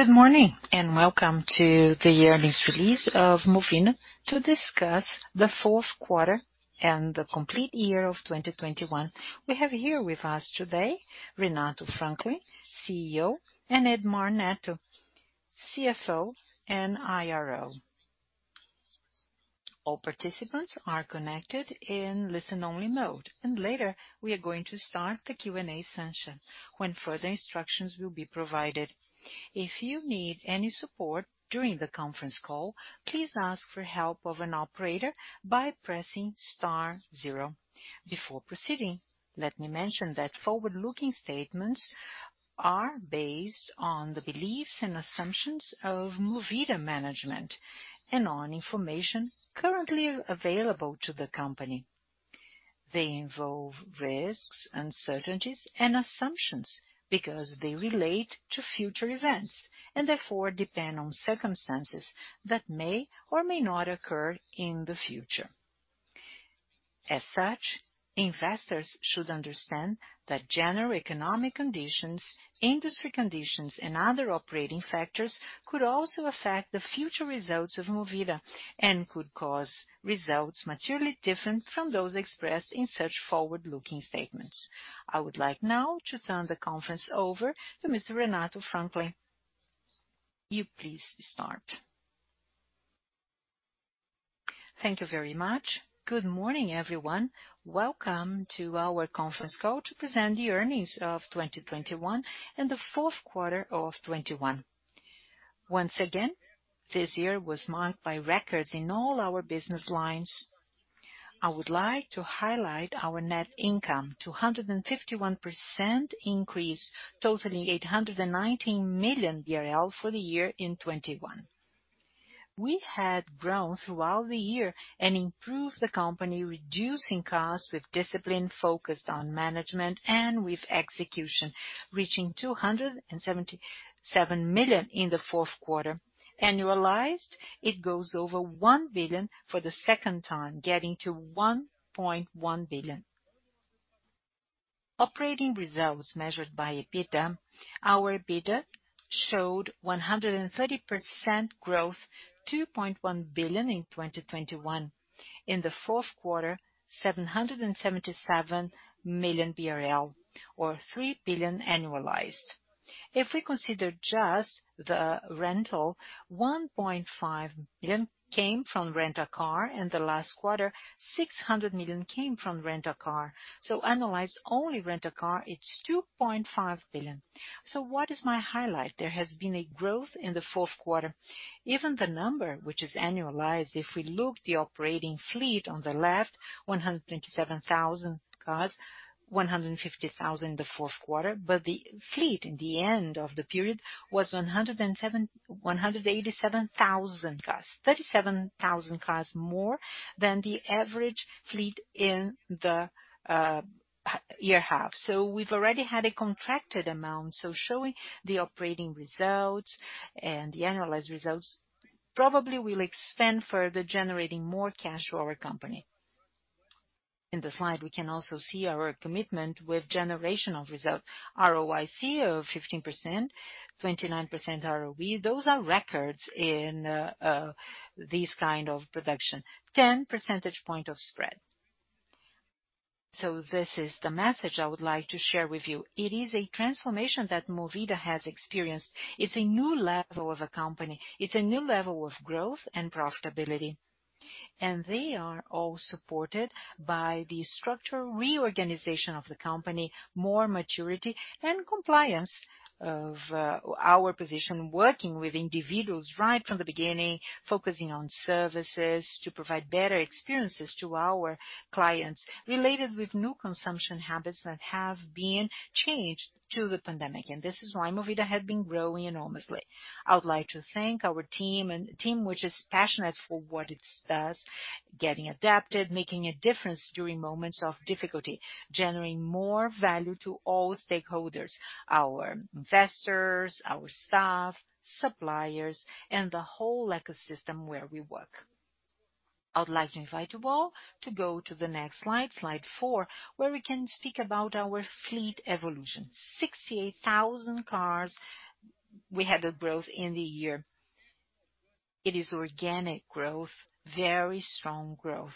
Good morning, and welcome to the Earnings Release of Movida to discuss the fourth quarter and the complete year of 2021. We have here with us today Renato Franklin, CEO, and Edmar Neto, CFO and IRO. All participants are connected in listen-only mode. Later, we are going to start the Q&A session when further instructions will be provided. If you need any support during the conference call, please ask for help of an operator by pressing star zero. Before proceeding, let me mention that forward-looking statements are based on the beliefs and assumptions of Movida management and on information currently available to the company. They involve risks, uncertainties, and assumptions because they relate to future events and therefore depend on circumstances that may or may not occur in the future. As such, investors should understand that general economic conditions, industry conditions, and other operating factors could also affect the future results of Movida and could cause results materially different from those expressed in such forward-looking statements. I would like now to turn the conference over to Mr. Renato Franklin. You, please start. Thank you very much. Good morning, everyone. Welcome to our Conference Call to present the earnings of 2021 and the fourth quarter of 2021. Once again, this year was marked by records in all our business lines. I would like to highlight our net income, 251% increase totaling 819 million BRL for the year in 2021. We had grown throughout the year and improved the company, reducing costs with discipline focused on management and with execution, reaching 277 million in the fourth quarter. Annualized it goes over 1 billion for the second time, getting to 1.1 billion. Operating results measured by EBITDA. Our EBITDA showed 130% growth, 2.1 billion in 2021. In the fourth quarter, 777 million BRL or 3 billion annualized. If we consider just the rental, 1.5 billion came from Rent-a-Car. In the last quarter, 600 million came from Rent-a-Car. Annualized only Rent-a-Car, it's 2.5 billion. What is my highlight? There has been a growth in the fourth quarter. Even the number which is annualized, if we look the operating fleet on the left, 127,000 cars, 150,000 the fourth quarter. The fleet in the end of the period was 187,000 cars- 37,000 cars more than the average fleet in the year half. We've already had a contracted amount, so showing the operating results and the annualized results probably will expand further generating more cash to our company. In the slide, we can also see our commitment with generation of result. ROIC of 15%, 29% ROE. Those are records in this kind of production. Ten percentage point of spread. This is the message I would like to share with you. It is a transformation that Movida has experienced. It's a new level of a company. It's a new level of growth and profitability. They are all supported by the structural reorganization of the company, more maturity and compliance of our position working with individuals right from the beginning, focusing on services to provide better experiences to our clients related with new consumption habits that have been changed through the pandemic. This is why Movida had been growing enormously. I would like to thank our team which is passionate for what it does, getting adapted, making a difference during moments of difficulty, generating more value to all stakeholders, our investors, our staff, suppliers, and the whole ecosystem where we work. I would like to invite you all to go to the next slide four, where we can speak about our fleet evolution. 68,000 cars, we had a growth in the year. It is organic growth, very strong growth.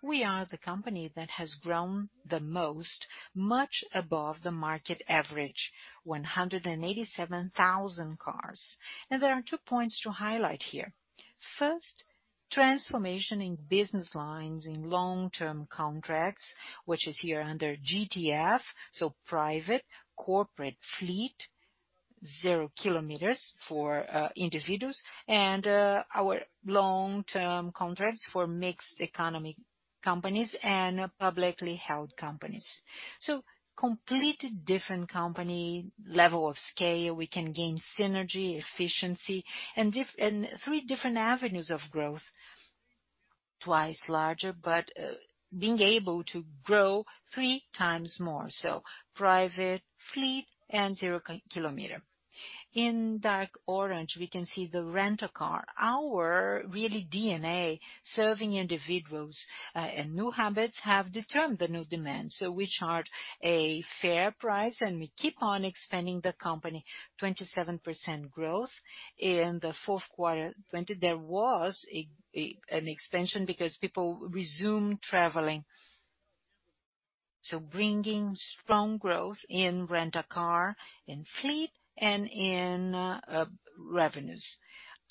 We are the company that has grown the most, much above the market average, 187,000 cars. There are two points to highlight here. First, transformation in business lines in long-term contracts, which is here under GTF, so private, corporate fleet, 0 km for individuals, and our long-term contracts for mixed economy companies and publicly held companies. Completely different company level of scale. We can gain synergy, efficiency and three different avenues of growth, twice larger, but being able to grow three times more. Private fleet and 0 km. In dark orange, we can see the Rent-a-Car. Our real DNA serving individuals, and new habits have determined the new demand. We charge a fair price and we keep on expanding the company. 27% growth. In the fourth quarter 2020, there was an expansion because people resumed traveling. Bringing strong growth in Rent-a-Car, in fleet and in revenues.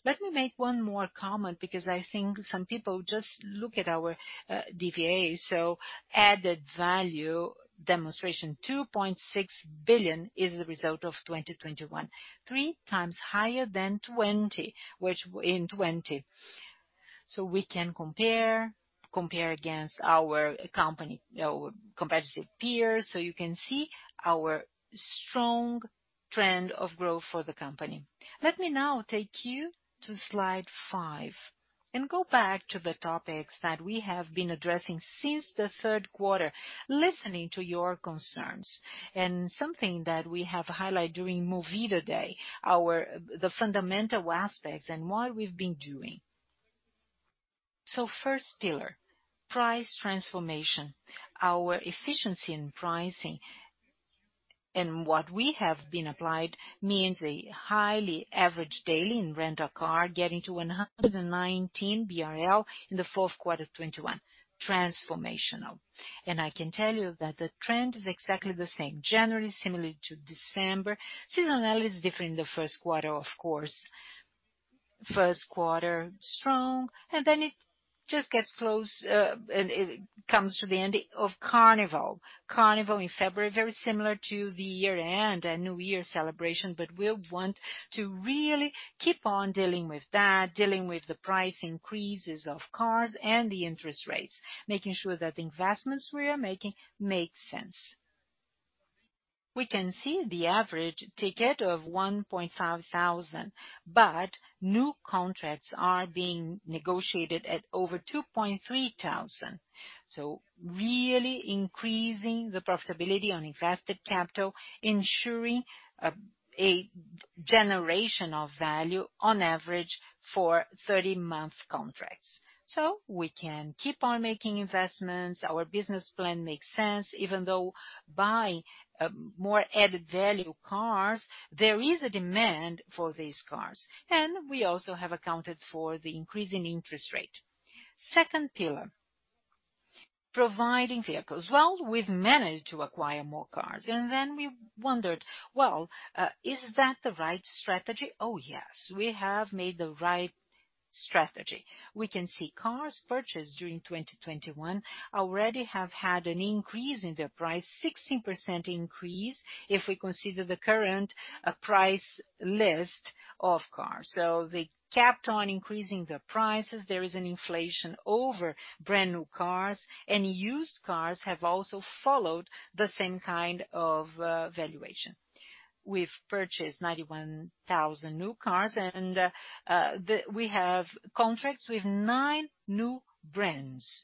Let me make one more comment because I think some people just look at our DVAs. Added value demonstration 2.6 billion is the result of 2021, three times higher than 2020. We can compare against our competitive peers, so you can see our strong trend of growth for the company. Let me now take you to slide five and go back to the topics that we have been addressing since the third quarter, listening to your concerns and something that we have highlighted during Movida Day, the fundamental aspects and what we've been doing. First pillar, price transformation. Our efficiency in pricing and what we have been applied means a higher average daily in Rent-a-Car, getting to 119 BRL in the fourth quarter 2021, transformational. I can tell you that the trend is exactly the same, January similar to December. Seasonality is different in the first quarter, of course. First quarter strong, and then it just gets close, and it comes to the end of Carnival. Carnival in February, very similar to the year-end and New Year celebration, but we'll want to really keep on dealing with that, dealing with the price increases of cars and the interest rates, making sure that the investments we are making make sense. We can see the average ticket of 1,500, but new contracts are being negotiated at over 2,300. Really increasing the profitability on invested capital, ensuring a generation of value on average for 30-month contracts. We can keep on making investments. Our business plan makes sense, even though buy more added value cars, there is a demand for these cars. We also have accounted for the increase in interest rate. Second pillar, providing vehicles. Well, we've managed to acquire more cars. Then we wondered, well, is that the right strategy? Oh, yes, we have made the right strategy. We can see cars purchased during 2021 already have had an increase in their price, 16% increase if we consider the current price list of cars. They kept on increasing their prices. There is an inflation over brand-new cars, and used cars have also followed the same kind of valuation. We've purchased 91,000 new cars and we have contracts with nine new brands,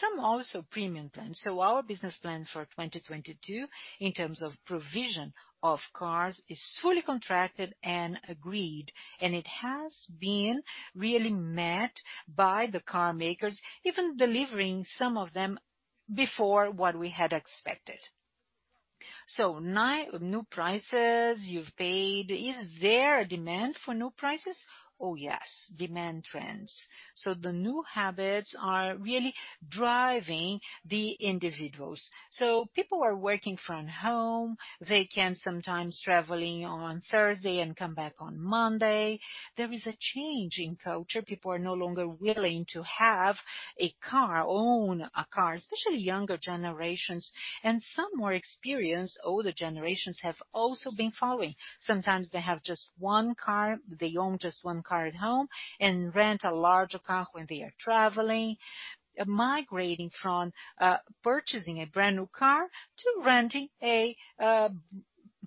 some also premium brands. Our business plan for 2022 in terms of provision of cars is fully contracted and agreed, and it has been really met by the car makers, even delivering some of them before what we had expected. Nine new prices you've paid. Is there a demand for new prices? Oh, yes, demand trends. The new habits are really driving the individuals. People are working from home. They can sometimes travel on Thursday and come back on Monday. There is a change in culture. People are no longer willing to have a car, own a car, especially younger generations. Some more experienced older generations have also been following. Sometimes they have just one car, they own just one car at home and rent a larger car when they are traveling, migrating from purchasing a brand-new car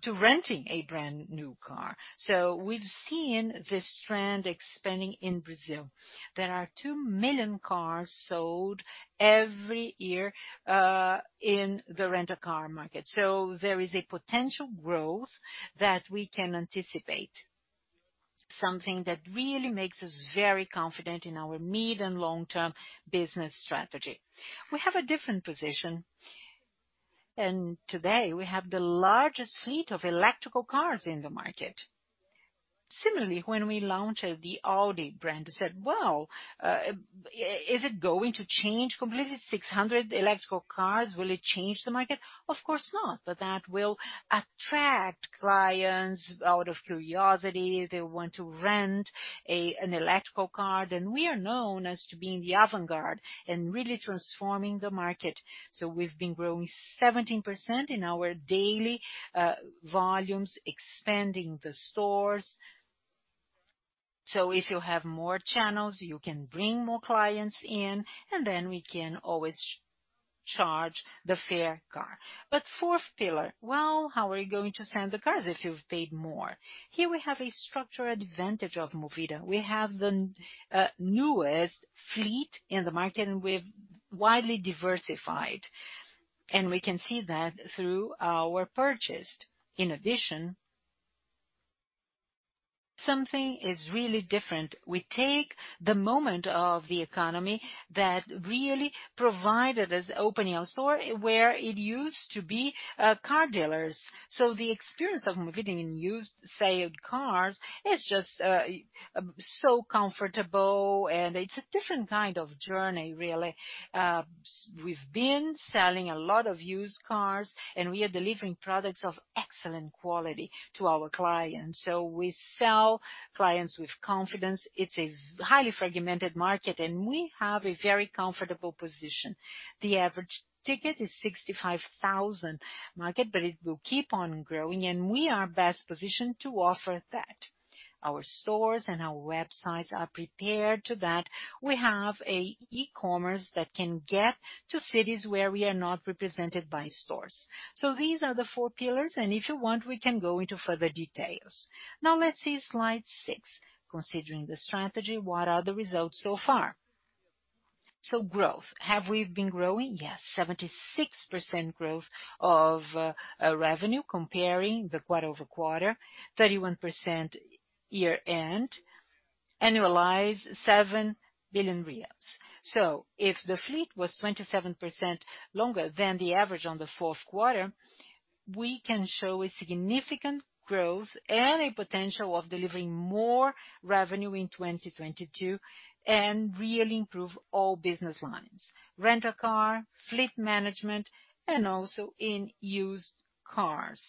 to renting a brand-new car. We've seen this trend expanding in Brazil. There are 2 million cars sold every year in the Rent-a-Car market. There is a potential growth that we can anticipate, something that really makes us very confident in our mid and long-term business strategy. We have a different position, and today we have the largest fleet of electric cars in the market. Similarly, when we launched the Audi brand, we said, "Well, is it going to change completely 600 electric cars? Will it change the market?" Of course not. That will attract clients out of curiosity. They want to rent an electric car. We are known as to being the avant-garde and really transforming the market. We've been growing 17% in our daily volumes, expanding the stores. If you have more channels, you can bring more clients in, and then we can always charge the fair car. Fourth pillar, well, how are you going to sell the cars if you've paid more? Here we have a structural advantage of Movida. We have the newest fleet in the market, and we're widely diversified. We can see that through our purchases. In addition, something is really different. We take the moment of the economy that really provided us opening a store where it used to be car dealers. The experience of Movida in used car sales is just so comfortable and it's a different kind of journey really. We've been selling a lot of used cars, and we are delivering products of excellent quality to our clients. We sell to clients with confidence. It's a highly fragmented market, and we have a very comfortable position. The average ticket is 65,000, but it will keep on growing, and we are best positioned to offer that. Our stores and our websites are prepared for that. We have an e-commerce that can get to cities where we are not represented by stores. These are the four pillars, and if you want, we can go into further details. Now let's see slide six. Considering the strategy, what are the results so far? Growth. Have we been growing? Yes. 76% growth of revenue quarter-over-quarter, 31% year-over-year, annualized BRL 7 billion. If the fleet was 27% longer than the average on 4Q, we can show a significant growth and a potential of delivering more revenue in 2022 and really improve all business lines, Rent-a-Car, fleet management, and also in used cars.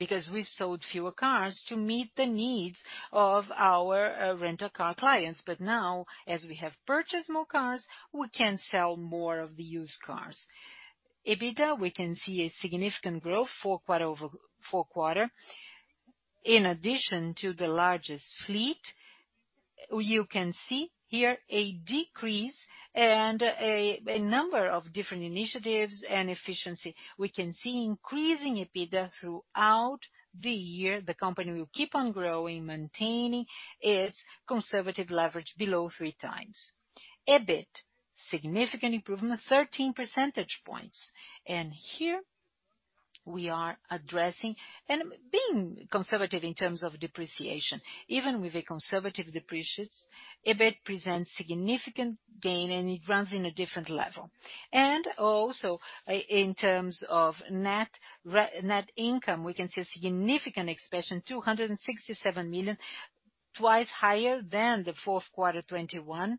Because we sold fewer cars to meet the needs of our Rent-a-Car clients. Now, as we have purchased more cars, we can sell more of the used cars. EBITDA, we can see a significant growth quarter-over-quarter. In addition to the largest fleet, you can see here a decrease and a number of different initiatives and efficiency. We can see increasing EBITDA throughout the year. The company will keep on growing, maintaining its conservative leverage below 3x. EBIT, significant improvement, 13 percentage points. Here we are addressing and being conservative in terms of depreciation. Even with a conservative depreciation, EBIT presents significant gain, and it runs in a different level. Also in terms of net income, we can see a significant expansion, 267 million, twice higher than the fourth quarter 2021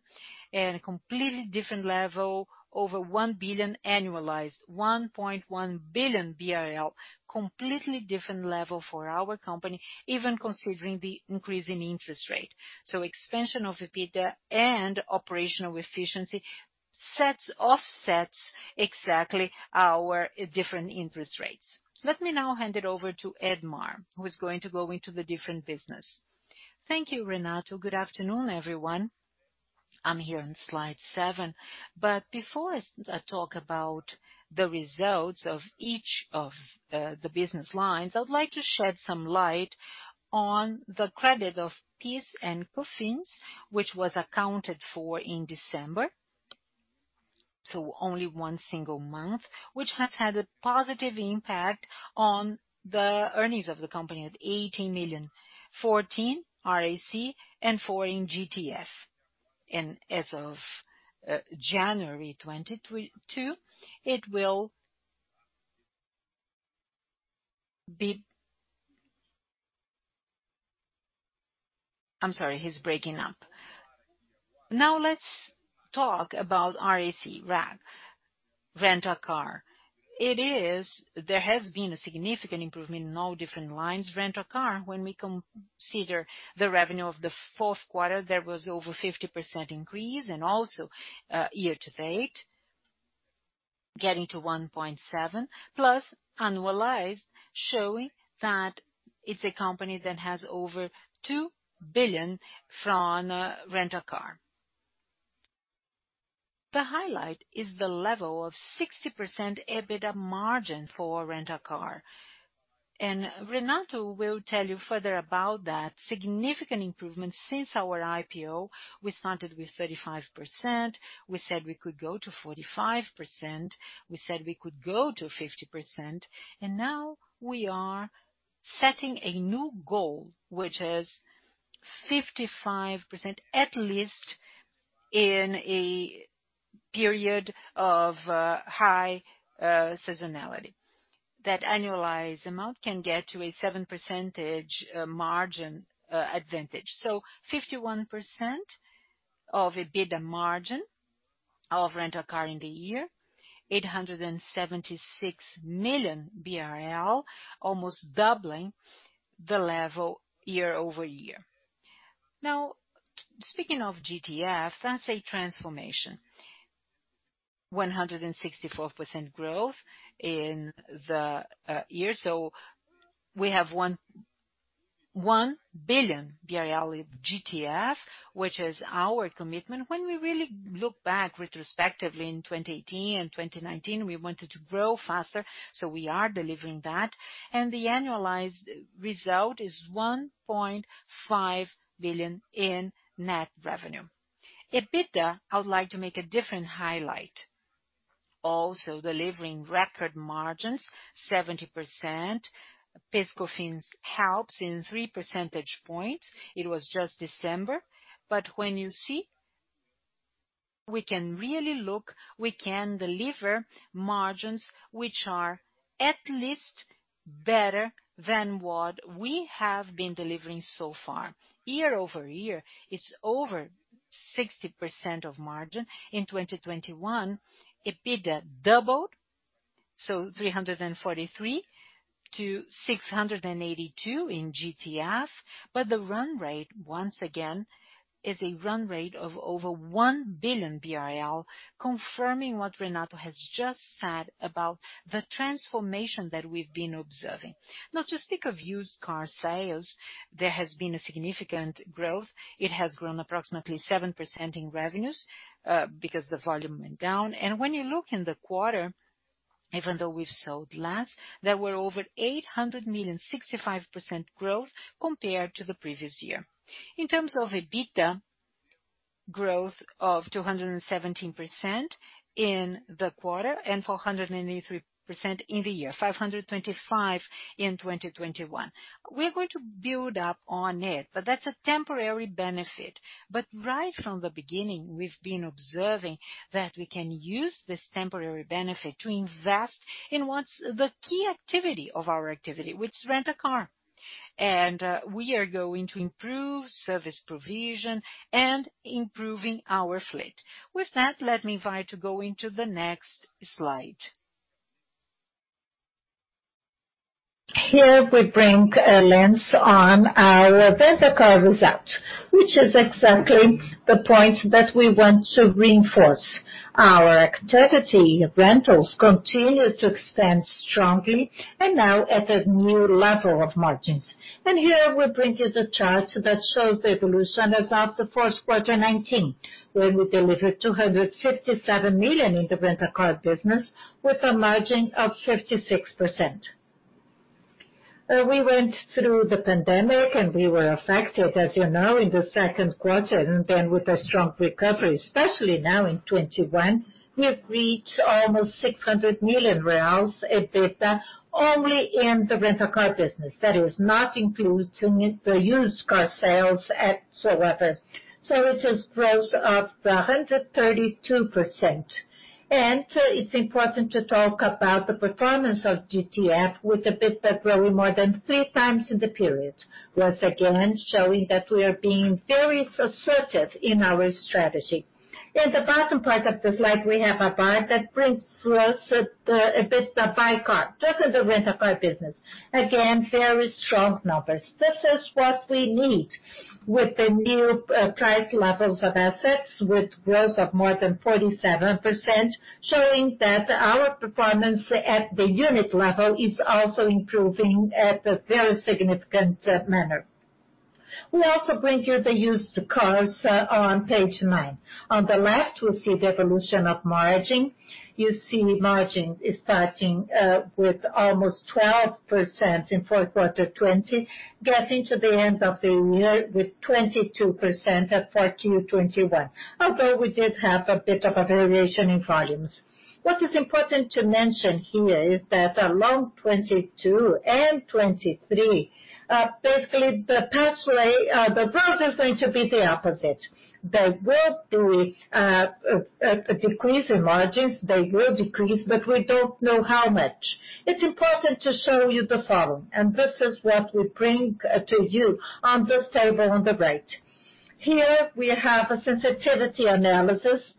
and a completely different level over 1 billion annualized, 1.1 billion BRL, completely different level for our company, even considering the increase in interest rate. Expansion of EBITDA and operational efficiency sets offsets exactly our different interest rates. Let me now hand it over to Edmar, who is going to go into the different business. Thank you, Renato. Good afternoon, everyone. I'm here on slide seven. Before I talk about the results of each of the business lines, I would like to shed some light on the credit of PIS/COFINS, which was accounted for in December, so only one single month, which has had a positive impact on the earnings of the company at 80 million. 14 million RAC and 4 million in GTF. As of January 2022, it will be. I'm sorry, he's breaking up. Now let's talk about RAC, Rent-a-Car. There has been a significant improvement in all different lines. Rent-a-Car, when we consider the revenue of the fourth quarter, there was over 50% increase and also year-to-date getting to 1.7 billion, plus annualized showing that it's a company that has over 2 billion from Rent-a-Car. The highlight is the level of 60% EBITDA margin for Rent-a-Car. Renato will tell you further about that significant improvement since our IPO. We started with 35%, we said we could go to 45%, we said we could go to 50%, and now we are setting a new goal, which is 55%, at least in a period of high seasonality. That annualized amount can get to a 7% margin advantage. 51% EBITDA margin of Rent-a-Car in the year, 876 million BRL, almost doubling the level year-over-year. Now, speaking of GTF, that's a transformation. 164% growth in the year. We have 1 billion BRL of GTF, which is our commitment. When we really look back retrospectively in 2018 and 2019, we wanted to grow faster, so we are delivering that. The annualized result is 1.5 billion in net revenue. EBITDA, I would like to make a different highlight. Also delivering record margins 70%. PIS/COFINS helps in 3 percentage points. It was just December. When you see, we can really look, we can deliver margins which are at least better than what we have been delivering so far. Year-over-year, it's over 60% margin. In 2021, EBITDA doubled, so 343 million-682 million in GTF. The run rate, once again, is a run rate of over 1 billion BRL, confirming what Renato has just said about the transformation that we've been observing. Now to speak of used car sales, there has been a significant growth. It has grown approximately 7% in revenues, because the volume went down. When you look in the quarter, even though we've sold less, there were over 800 million, 65% growth compared to the previous year. In terms of EBITDA, growth of 217% in the quarter and 483% in the year, 525% in 2021. We're going to build up on it, but that's a temporary benefit. Right from the beginning, we've been observing that we can use this temporary benefit to invest in what's the key activity of our activity, which is Rent-a-Car. We are going to improve service provision and improving our fleet. With that, let me invite to go into the next slide. Here we bring a lens on our Rent-a-Car result, which is exactly the point that we want to reinforce. Our rental activities continued to expand strongly and now at a new level of margins. Here we bring you the chart that shows the evolution as of the fourth quarter 2019, where we delivered 257 million in the Rent-a-Car business with a margin of 56%. We went through the pandemic, and we were affected, as you know, in the second quarter, and then with a strong recovery, especially now in 2021, we have reached almost 600 million reais EBITDA only in the Rent-a-Car business. That is not including the used car sales whatsoever. It is growth of 132%. It's important to talk about the performance of GTF with EBITDA growing more than 3x in the period. Once again, showing that we are being very assertive in our strategy. In the bottom part of the slide, we have a bar that brings us the EBITDA by car, just as a Rent-a-Car business. Again, very strong numbers. This is what we need with the new price levels of assets with growth of more than 47%, showing that our performance at the unit level is also improving at a very significant manner. We also bring you the used cars on page nine. On the left, we see the evolution of margin. You see margin is starting with almost 12% in fourth quarter 2020, getting to the end of the year with 22% at 4Q 2021. Although we did have a bit of a variation in volumes. What is important to mention here is that along 2022 and 2023, basically the pathway- the road is going to be the opposite. There will be a decrease in margins, but we don't know how much. It's important to show you the following. This is what we bring to you on this table on the right. Here we have a sensitivity analysis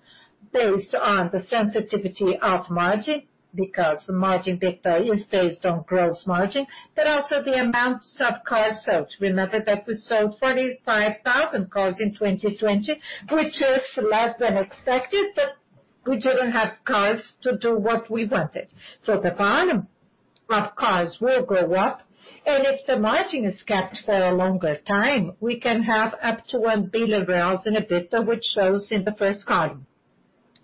based on the sensitivity of margin, because EBITDA margin is based on gross margin, but also the amounts of cars sold. Remember that we sold 45,000 cars in 2020, which is less than expected, but we didn't have cars to do what we wanted. The volume of cars will go up, and if the margin is kept for a longer time, we can have up to 1 billion in EBITDA, which shows in the first column.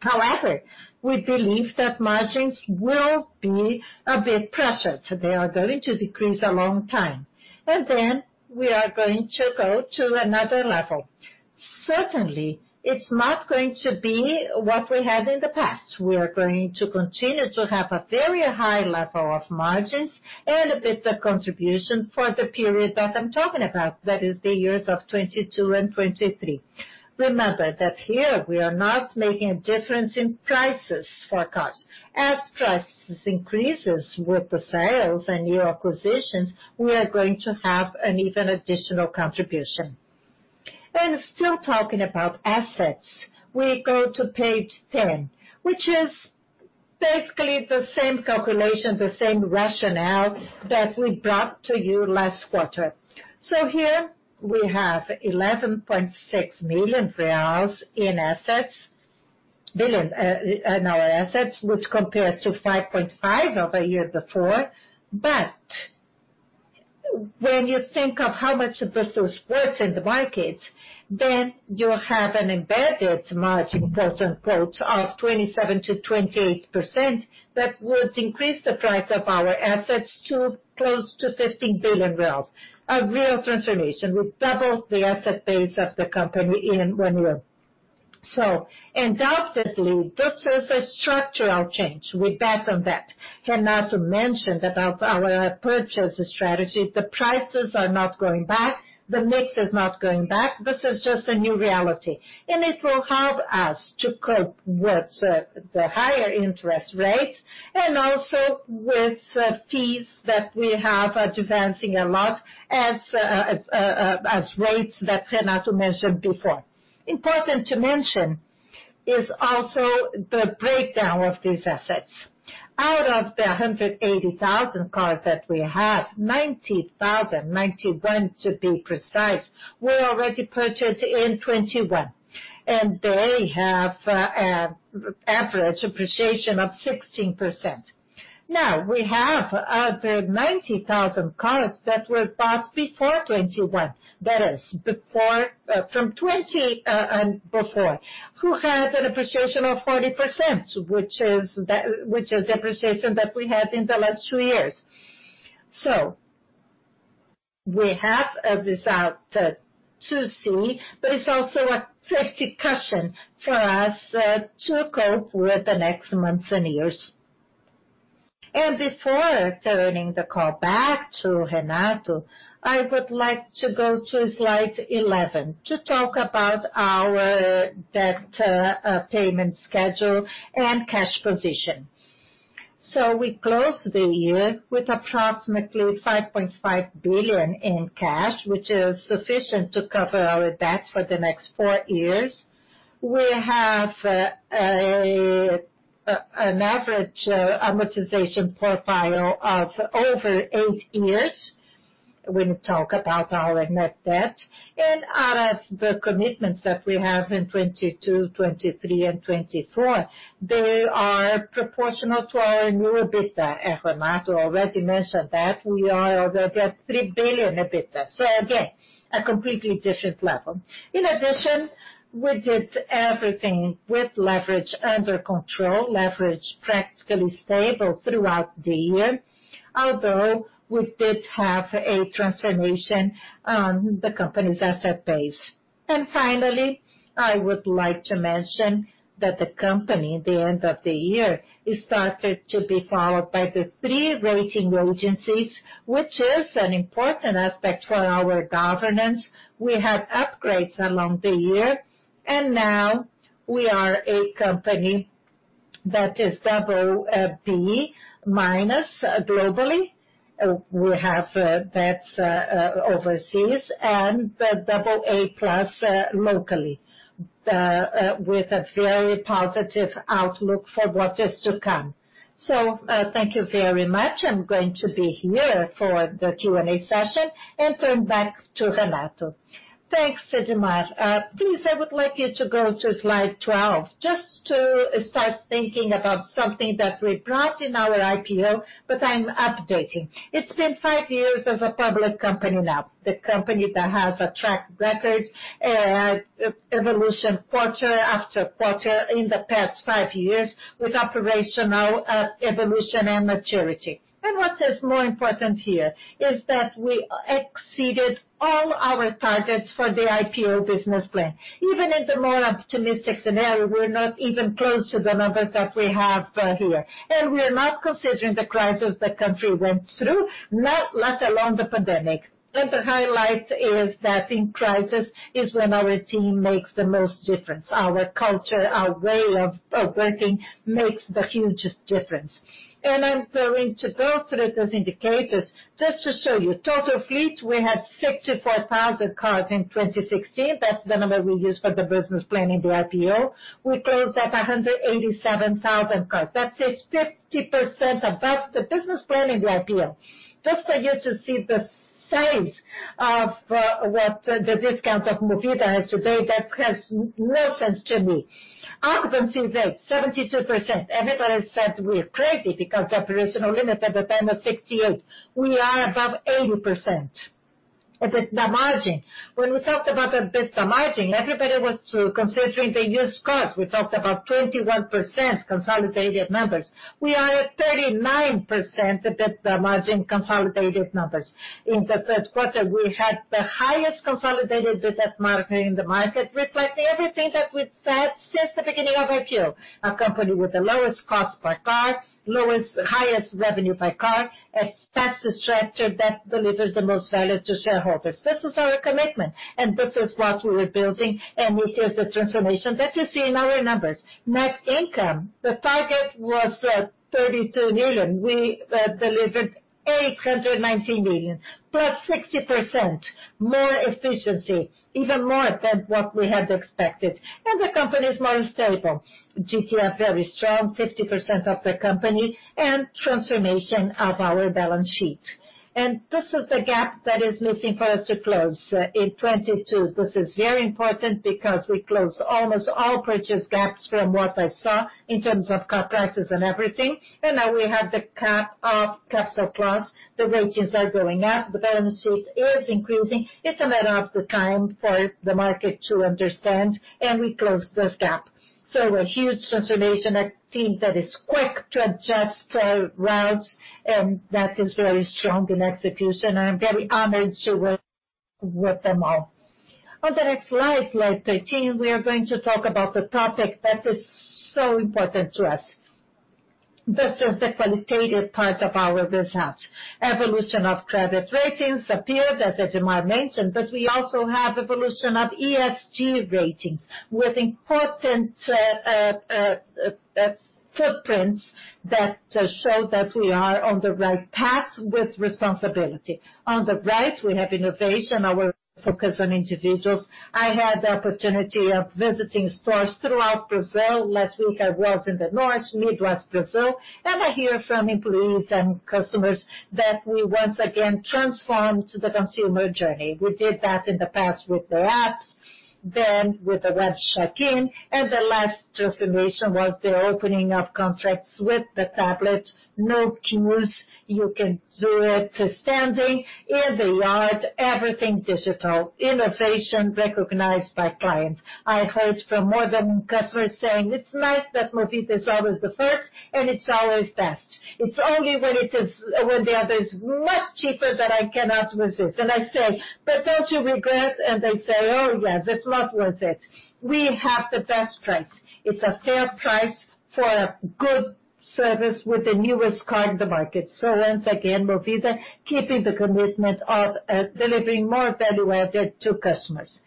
However, we believe that margins will be a bit pressured. They are going to decrease a long time. We are going to go to another level. Certainly, it's not going to be what we had in the past. We are going to continue to have a very high level of margins and EBITDA contribution for the period that I'm talking about, that is the years of 2022 and 2023. Remember that here we are not making a difference in prices for cars. As prices increases with the sales and new acquisitions, we are going to have an even additional contribution. Still talking about assets, we go to page 10, which is basically the same calculation, the same rationale that we brought to you last quarter. Here we have 11.6 billion reais in assets, which compares to 5.5 billion a year before. When you think of how much this is worth in the market, then you have an embedded margin, quote-unquote, of 27%-28% that would increase the price of our assets to close to 15 billion. A real transformation. We've doubled the asset base of the company in one year. Undoubtedly, this is a structural change. We bet on that. Renato mentioned about our purchase strategy. The prices are not going back, the mix is not going back. This is just a new reality. It will help us to cope with the higher interest rates and also with fees that we have advancing a lot as rates that Renato mentioned before. Important to mention is also the breakdown of these assets. Out of the 180,000 cars that we have, 91,000 to be precise, were already purchased in 2021, and they have average appreciation of 16%. We have other 90,000 cars that were bought before 2021, that is before from 2020 and before, which had an appreciation of 40%, which is depreciation that we had in the last two years. We have a result to see, but it's also a safety cushion for us to cope with the next months and years. Before turning the call back to Renato, I would like to go to slide 11 to talk about our debt payment schedule and cash position. We closed the year with approximately 5.5 billion in cash, which is sufficient to cover our debts for the next four years. We have an average amortization portfolio of over eight years when you talk about our net debt. Out of the commitments that we have in 2022, 2023 and 2024, they are proportional to our new EBITDA. Renato already mentioned that we are already at 3 billion EBITDA. Again, a completely different level. In addition, we did everything with leverage under control, leverage practically stable throughout the year, although we did have a transformation on the company's asset base. Finally, I would like to mention that the company, at the end of the year, started to be followed by the three rating agencies, which is an important aspect for our governance. We had upgrades along the year, and now we are a company that is BB- globally. We have debts overseas and AA+ locally with a very positive outlook for what is to come. Thank you very much. I'm going to be here for the Q&A session and turn back to Renato. Thanks, Edmar. Please, I would like you to go to slide 12, just to start thinking about something that we brought in our IPO, but I'm updating. It's been five years as a public company now. The company that has a track record evolution quarter-after-quarter in the past five years with operational evolution and maturity. What is more important here is that we exceeded all our targets for the IPO business plan. Even in the more optimistic scenario, we're not even close to the numbers that we have here. We are not considering the crisis the country went through, not let alone the pandemic. The highlight is that in crisis is when our team makes the most difference. Our culture, our way of working makes the hugest difference. I'm going to go through those indicators just to show you- total fleet, we had 64,000 cars in 2016. That's the number we used for the business plan in the IPO. We closed at 187,000 cars. That is 50% above the business plan in the IPO. Just for you to see the size of what the discount of Movida is today, that has no sense to me. Occupancy is at 72%. Everybody said we're crazy because the operational limit at the time was 68%. We are above 80%. EBITDA margin. When we talked about EBITDA margin, everybody was considering the used cars. We talked about 21% consolidated numbers. We are at 39% EBITDA margin consolidated numbers. In the third quarter, we had the highest consolidated EBITDA margin in the market, reflecting everything that we've said since the beginning of IPO. A company with the lowest cost per cars, highest revenue per car, a tax structure that delivers the most value to shareholders. This is our commitment, and this is what we're building, and this is the transformation that you see in our numbers. Net income, the target was 32 million. We delivered 819 million, plus 60% more efficiency, even more than what we had expected. The company is more stable. GTF, very strong, 50% of the company, and transformation of our balance sheet. This is the gap that is missing for us to close in 2022. This is very important because we closed almost all purchase gaps from what I saw in terms of car prices and everything. Now we have the gap of capital cost. The wages are going up, the balance sheet is increasing. It's a matter of the time for the market to understand, and we close this gap. A huge transformation, a team that is quick to adjust routes, and that is very strong in execution. I am very honored to work with them all. On the next slide 13, we are going to talk about the topic that is so important to us. This is the qualitative part of our results. Evolution of credit ratings appeared, as Edmar mentioned, but we also have evolution of ESG ratings with important footprints that show that we are on the right path with responsibility. On the right, we have innovation, our focus on individuals. I had the opportunity of visiting stores throughout Brazil. Last week, I was in the North, Midwest Brazil, and I hear from employees and customers that we once again transformed the consumer journey. We did that in the past with the apps, then with the web check-in, and the last transformation was the opening of contracts with the tablet. No queues, you can do it standing in the yard, everything digital. Innovation recognized by clients. I heard from more than customers saying, "It's nice that Movida is always the first, and it's always best. It's only when the other is much cheaper that I cannot resist. I say, "But don't you regret?" They say, "Oh, yes, it's not worth it." We have the best price. It's a fair price for a good service with the newest car in the market. Once again, Movida keeping the commitment of delivering more value added to customers.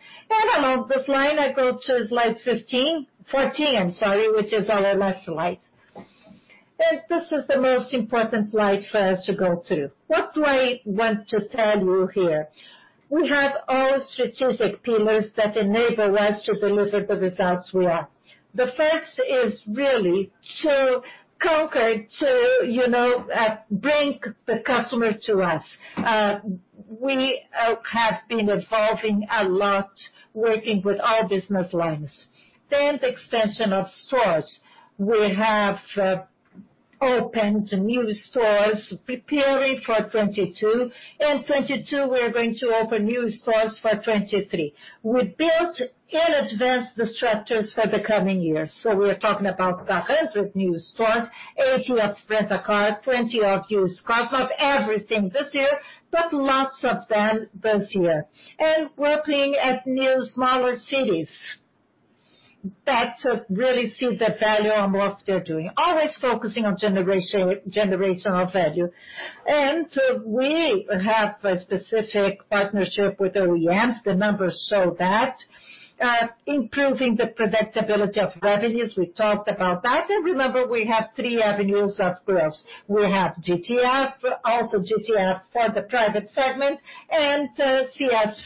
Along this line, I go to slide fourteen, I'm sorry, which is our last slide. This is the most important slide for us to go through. What do I want to tell you here? We have all strategic pillars that enable us to deliver the results we are. The first is really to conquer, to, you know, bring the customer to us. We have been evolving a lot working with all business lines. Expansion of stores. We have opened new stores preparing for 2022. In 2022, we are going to open new stores for 2023. We built in advance the structures for the coming years. We are talking about 100 new stores, 80 of Rent-a-Car, 20 of used cars. Not everything this year, but lots of them this year. Working at new, smaller cities that really see the value on what they're doing. Always focusing on generational value. We have a specific partnership with OEMs, the numbers show that. Improving the predictability of revenues, we talked about that. Remember, we have three avenues of growth. We have GTF, also GTF for the private segment and CS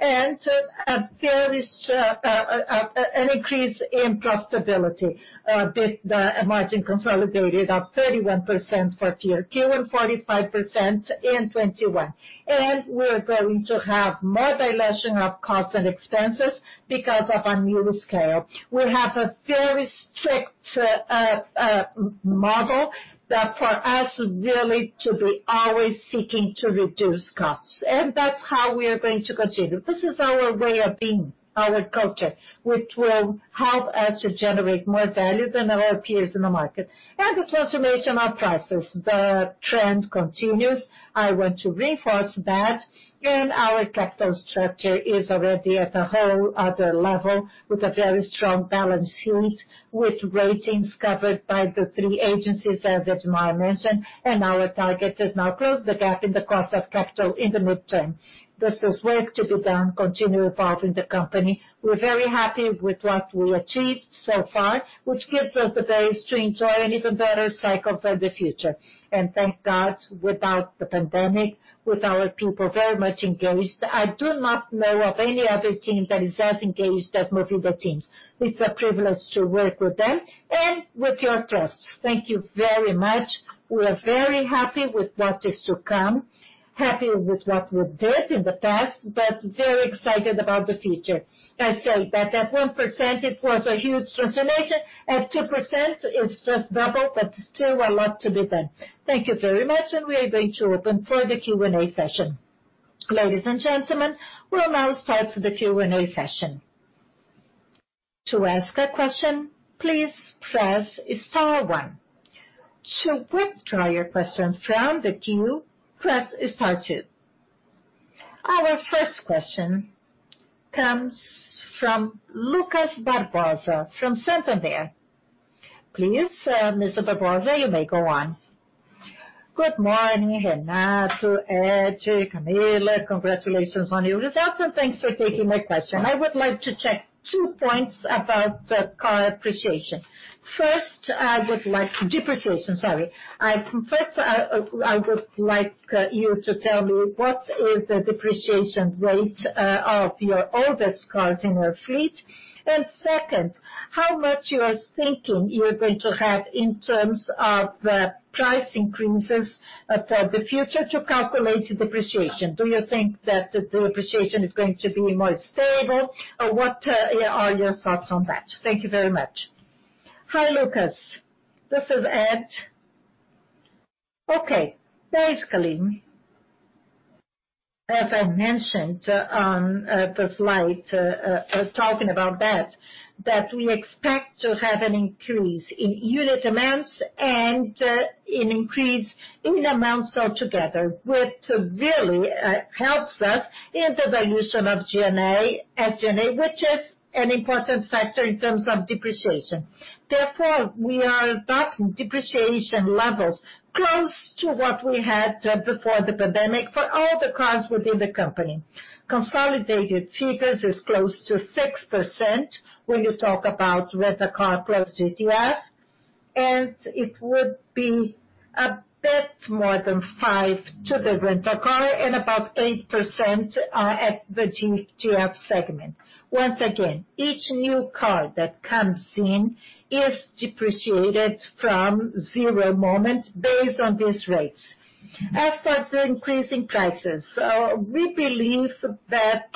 Frotas. There is an increase in profitability with the margin consolidated of 31% for 4Q and 45% in 2021. And, we're going to have more dilution of costs and expenses because of our new scale. We have a very strict model that for us really to be always seeking to reduce costs. That's how we are going to continue. This is our way of being, our culture, which will help us to generate more value than our peers in the market. The transformation of prices, the trend continues. I want to reinforce that. Our capital structure is already at a whole other level with a very strong balance sheet, with ratings covered by the three agencies, as Edmar mentioned, and our target is now close the gap in the cost of capital in the midterm. There's this work to be done, continue evolving the company. We're very happy with what we achieved so far, which gives us the base to enjoy an even better cycle for the future. Thank God, without the pandemic, with our people very much engaged. I do not know of any other team that is as engaged as Movida teams. It's a privilege to work with them and with your trust. Thank you very much. We are very happy with what is to come, happy with what we did in the past, but very excited about the future. I say that at 1%, it was a huge transformation. At 2%, it's just double, but still a lot to be done. Thank you very much. We are going to open for the Q&A session. Ladies and gentlemen, we'll now start the Q&A session. To ask a question, please press star one. Our first question comes from Lucas Barbosa from Santander. Please, Mr. Barbosa, you may go on. Good morning, Renato, Ed, Camila. Congratulations on your results, and thanks for taking my question. I would like to check two points about depreciation. First, I would like you to tell me what is the depreciation rate of your oldest cars in your fleet. Second, how much you are thinking you are going to have in terms of price increases for the future to calculate depreciation. Do you think that the depreciation is going to be more stable? Or what are your thoughts on that? Thank you very much. Hi, Lucas. This is Ed. Okay. Basically- as I mentioned on the slide, talking about that, we expect to have an increase in unit demands and an increase in amounts altogether, which really helps us in the dilution of G&A- SG&A, which is an important factor in terms of depreciation. Therefore, we are adopting depreciation levels close to what we had before the pandemic for all the cars within the company. Consolidated figures is close to 6% when you talk about Rent-a-Car plus GTF, and it would be a bit more than 5% for the Rent-a-Car and about 8% at the GTF segment. Once again, each new car that comes in is depreciated from zero moment based on these rates. As for the increase in prices, we believe that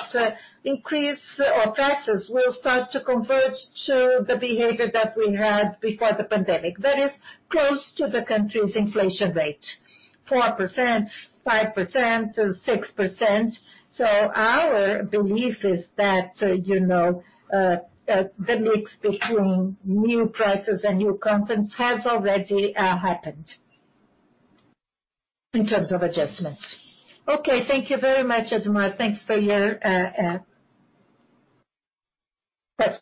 increase in prices will start to converge to the behavior that we had before the pandemic, that is close to the country's inflation rate, 4%, 5%, to 6%. Our belief is that, you know, the mix between new prices and new contents has already happened in terms of adjustments. Okay, thank you very much, Edmar. Thanks for your... Yes.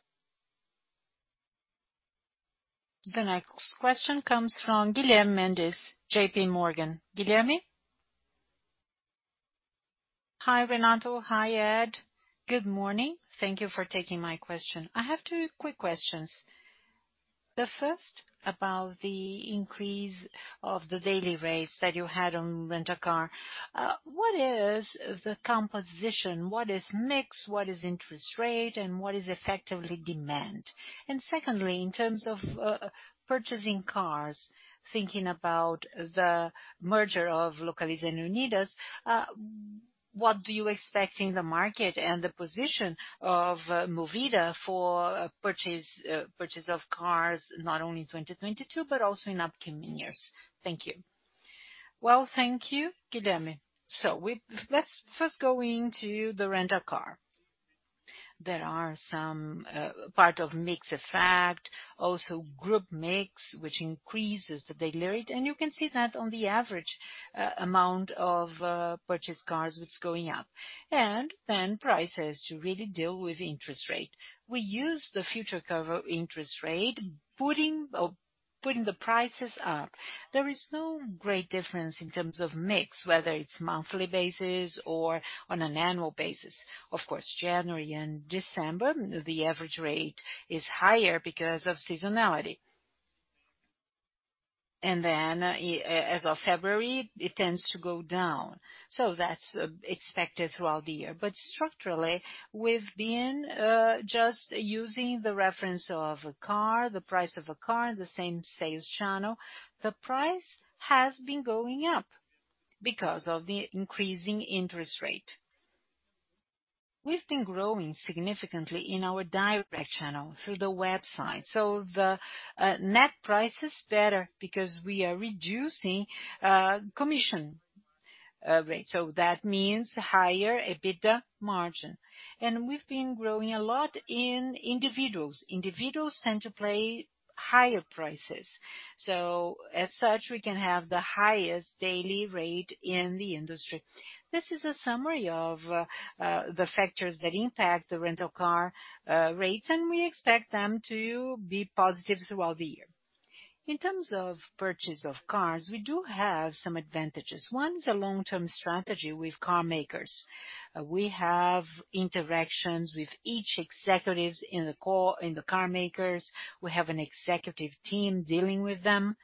The next question comes from Guilherme Mendes, J.P. Morgan. Guilherme? Hi, Renato. Hi, Ed. Good morning. Thank you for taking my question. I have two quick questions. The first about the increase of the daily rates that you had on Rent-a-Car. What is the composition? What is mix, what is interest rate, and what is effectively demand? Secondly, in terms of purchasing cars, thinking about the merger of Localiza and Unidas, what do you expect in the market and the position of Movida for purchase of cars not only in 2022 but also in upcoming years? Thank you. Well, thank you, Guilherme. Let's first go into the Rent-a-Car. There are some part of mix effect, also group mix, which increases the daily rate. You can see that on the average amount of purchased cars that's going up. Then prices really deal with interest rate. We use the future cover interest rate, putting the prices up. There is no great difference in terms of mix, whether it's monthly basis or on an annual basis. Of course, January and December, the average rate is higher because of seasonality. As of February, it tends to go down. That's expected throughout the year. Structurally, we've been just using the reference of a car, the price of a car, the same sales channel. The price has been going up because of the increasing interest rate. We've been growing significantly in our direct channel through the website, so the net price is better because we are reducing commission rate. That means higher EBITDA margin. We've been growing a lot in individuals. Individuals tend to pay higher prices. As such, we can have the highest daily rate in the industry. This is a summary of the factors that impact the rental car rates, and we expect them to be positive throughout the year. In terms of purchase of cars, we do have some advantages. One is a long-term strategy with carmakers. We have interactions with each executives in the carmakers. We have an executive team dealing with them.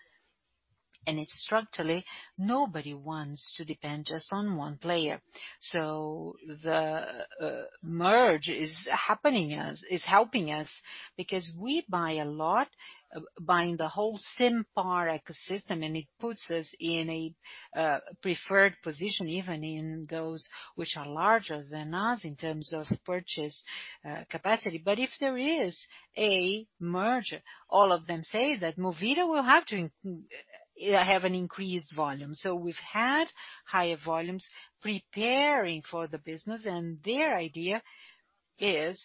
Structurally, nobody wants to depend just on one player. The merge is helping us because we buy a lot, buying the whole Simpar ecosystem, and it puts us in a preferred position, even in those which are larger than us in terms of purchase capacity. If there is a merger, all of them say that Movida will have to have an increased volume. We've had higher volumes preparing for the business, and their idea is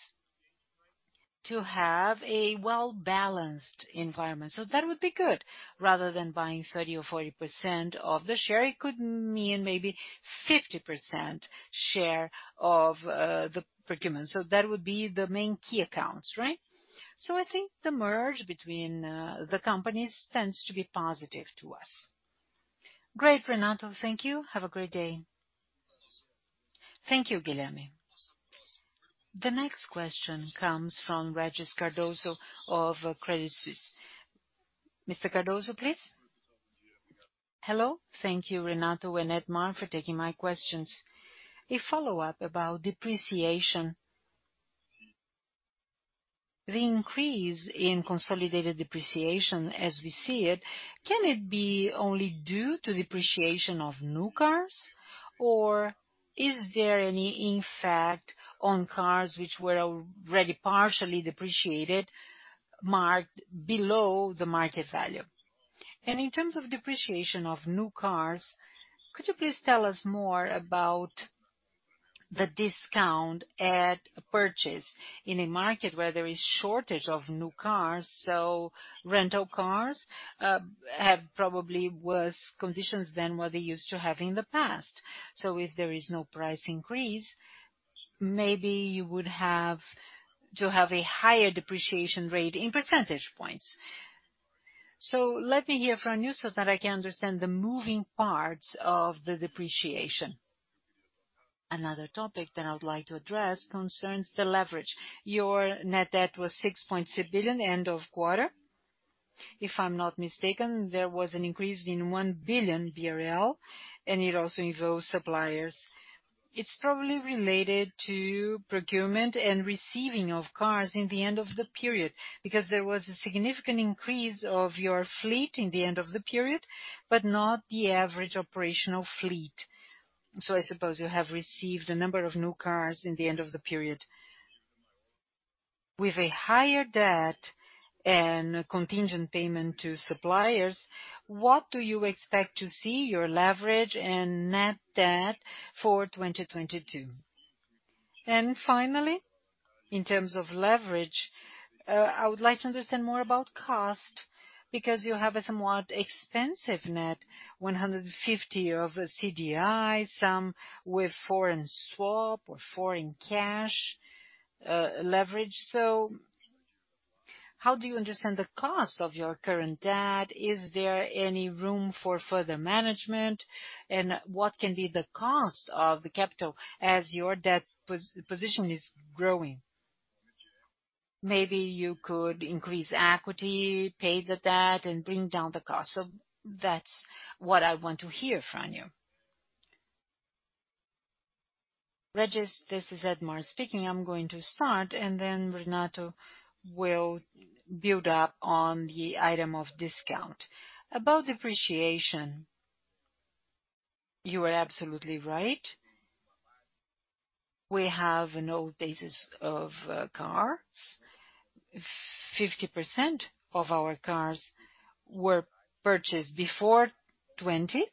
to have a well-balanced environment. That would be good. Rather than buying 30% or 40% of the share, it could mean maybe 50% share of the procurement. That would be the main key accounts, right? I think the merge between the companies tends to be positive to us. Great, Renato. Thank you. Have a great day. Thank you, Guilherme. The next question comes from Regis Cardoso of Credit Suisse. Mr. Cardoso, please. Hello. Thank you, Renato and Edmar, for taking my questions. A follow-up about depreciation. The increase in consolidated depreciation as we see it, can it be only due to depreciation of new cars, or is there any impact on cars which were already partially depreciated, marked below the market value? In terms of depreciation of new cars, could you please tell us more about the discount at purchase in a market where there is shortage of new cars? Rent-a-cars have probably worse conditions than what they used to have in the past. If there is no price increase, maybe you would have to have a higher depreciation rate in percentage points. Let me hear from you so that I can understand the moving parts of the depreciation. Another topic that I would like to address concerns the leverage. Your net debt was 6.6 billion end of quarter. If I'm not mistaken, there was an increase in 1 billion BRL and it also involves suppliers. It's probably related to procurement and receiving of cars in the end of the period because there was a significant increase of your fleet in the end of the period, but not the average operational fleet. I suppose you have received a number of new cars in the end of the period. With a higher debt and a contingent payment to suppliers, what do you expect to see your leverage and net debt for 2022? Finally, in terms of leverage, I would like to understand more about cost because you have a somewhat expensive net 150% of CDI, some with foreign swap or foreign cash leverage. How do you understand the cost of your current debt? Is there any room for further management and what can be the cost of the capital as your debt position is growing? Maybe you could increase equity, pay the debt and bring down the cost. That's what I want to hear from you. Regis, this is Edmar speaking. I'm going to start, and then Renato will build up on the item of discount. About depreciation, you are absolutely right. We have an old basis of cars, 50% of our cars were purchased before 2020.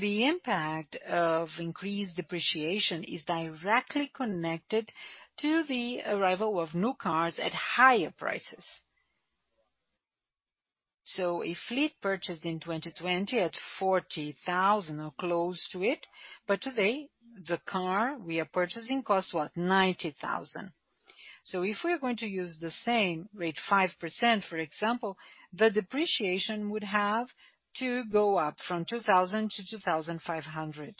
The impact of increased depreciation is directly connected to the arrival of new cars at higher prices. A fleet purchased in 2020 at 40,000 or close to it, but today the car we are purchasing costs, what? 90,000. If we're going to use the same rate, 5% for example, the depreciation would have to go up from 2,000 to 2,500.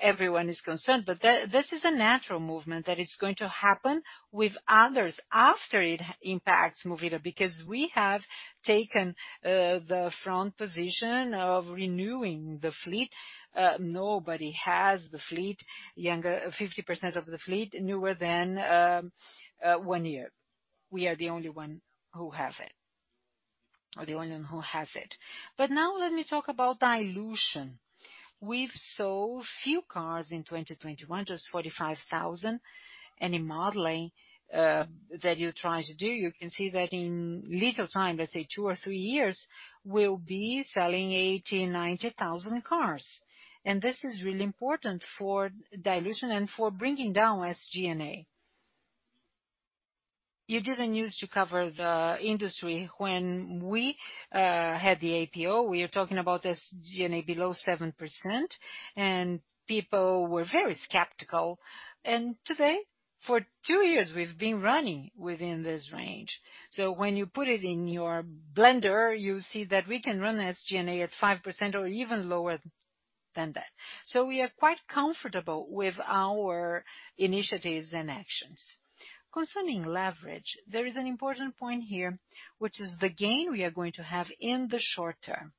Everyone is concerned, but this is a natural movement that is going to happen with others after it impacts Movida because we have taken the front position of renewing the fleet. Nobody has the fleet younger, 50% of the fleet newer than one year. We are the only one who have it, or the only one who has it. Now let me talk about dilution. We've sold few cars in 2021, just 45,000. Any modeling that you try to do, you can see that in little time, let's say two or three years, we'll be selling 80,000-90,000 cars. This is really important for dilution and for bringing down SG&A. You didn't use to cover the industry when we had the IPO. We are talking about SG&A below 7%, and people were very skeptical. Today, for two years we've been running within this range. When you put it in your blender, you see that we can run SG&A at 5% or even lower than that. We are quite comfortable with our initiatives and actions. Concerning leverage, there is an important point here, which is the gain we are going to have in the short term.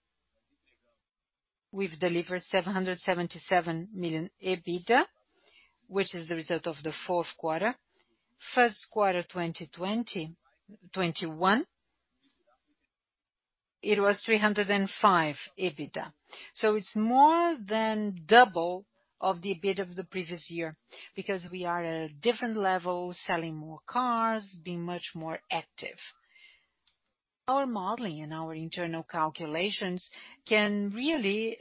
We've delivered 777 million EBITDA, which is the result of the fourth quarter. First quarter 2021, it was 305 million EBITDA. It's more than double of the EBITDA of the previous year because we are at a different level, selling more cars, being much more active. Our modeling and our internal calculations can really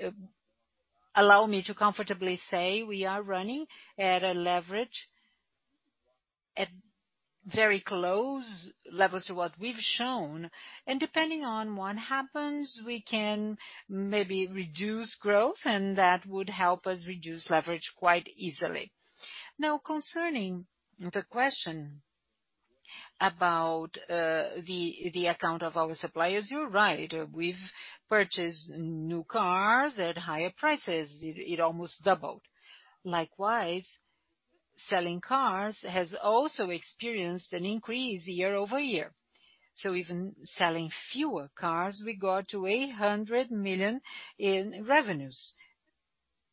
allow me to comfortably say we are running at a leverage at very close levels to what we've shown. Depending on what happens, we can maybe reduce growth and that would help us reduce leverage quite easily. Now concerning the question about the account of our suppliers, you're right. We've purchased new cars at higher prices. It almost doubled. Likewise, selling cars has also experienced an increase year-over-year. Even selling fewer cars, we got to 800 million in revenues-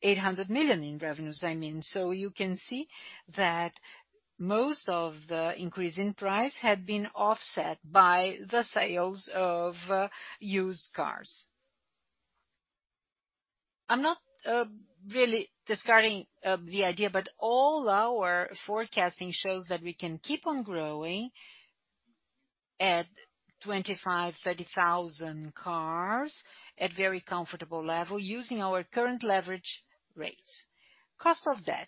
800 million in revenues, I mean. You can see that most of the increase in price had been offset by the sales of used cars. I'm not really discarding the idea, but all our forecasting shows that we can keep on growing at 25-30,000 cars at very comfortable level using our current leverage rates, cost of debt.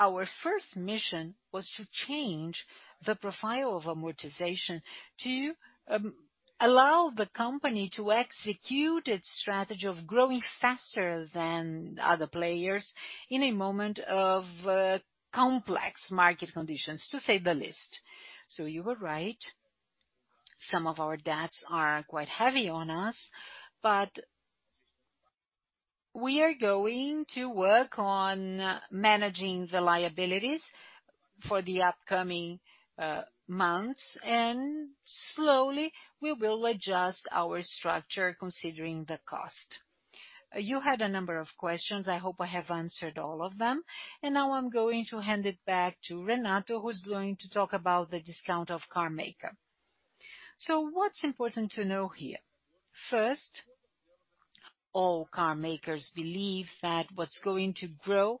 Our first mission was to change the profile of amortization to allow the company to execute its strategy of growing faster than other players in a moment of complex market conditions, to say the least. You were right. Some of our debts are quite heavy on us, but we are going to work on managing the liabilities for the upcoming months, and slowly we will adjust our structure considering the cost. You had a number of questions. I hope I have answered all of them. Now I'm going to hand it back to Renato, who's going to talk about the discounts from carmakers. What's important to know here? First, all carmakers believe that what's going to grow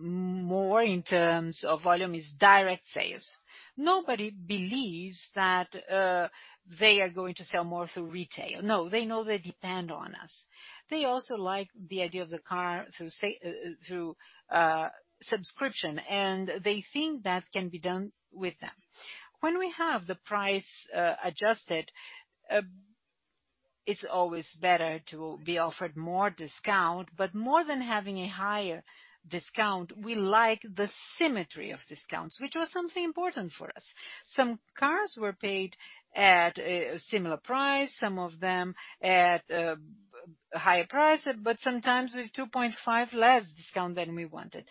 more in terms of volume is direct sales. Nobody believes that they are going to sell more through retail. No, they know they depend on us. They also like the idea of the car through subscription, and they think that can be done with them. When we have the price adjusted, it's always better to be offered more discount, but more than having a higher discount, we like the symmetry of discounts, which was something important for us. Some cars were paid at a similar price, some of them at a higher price, but sometimes with 2.5% less discount than we wanted.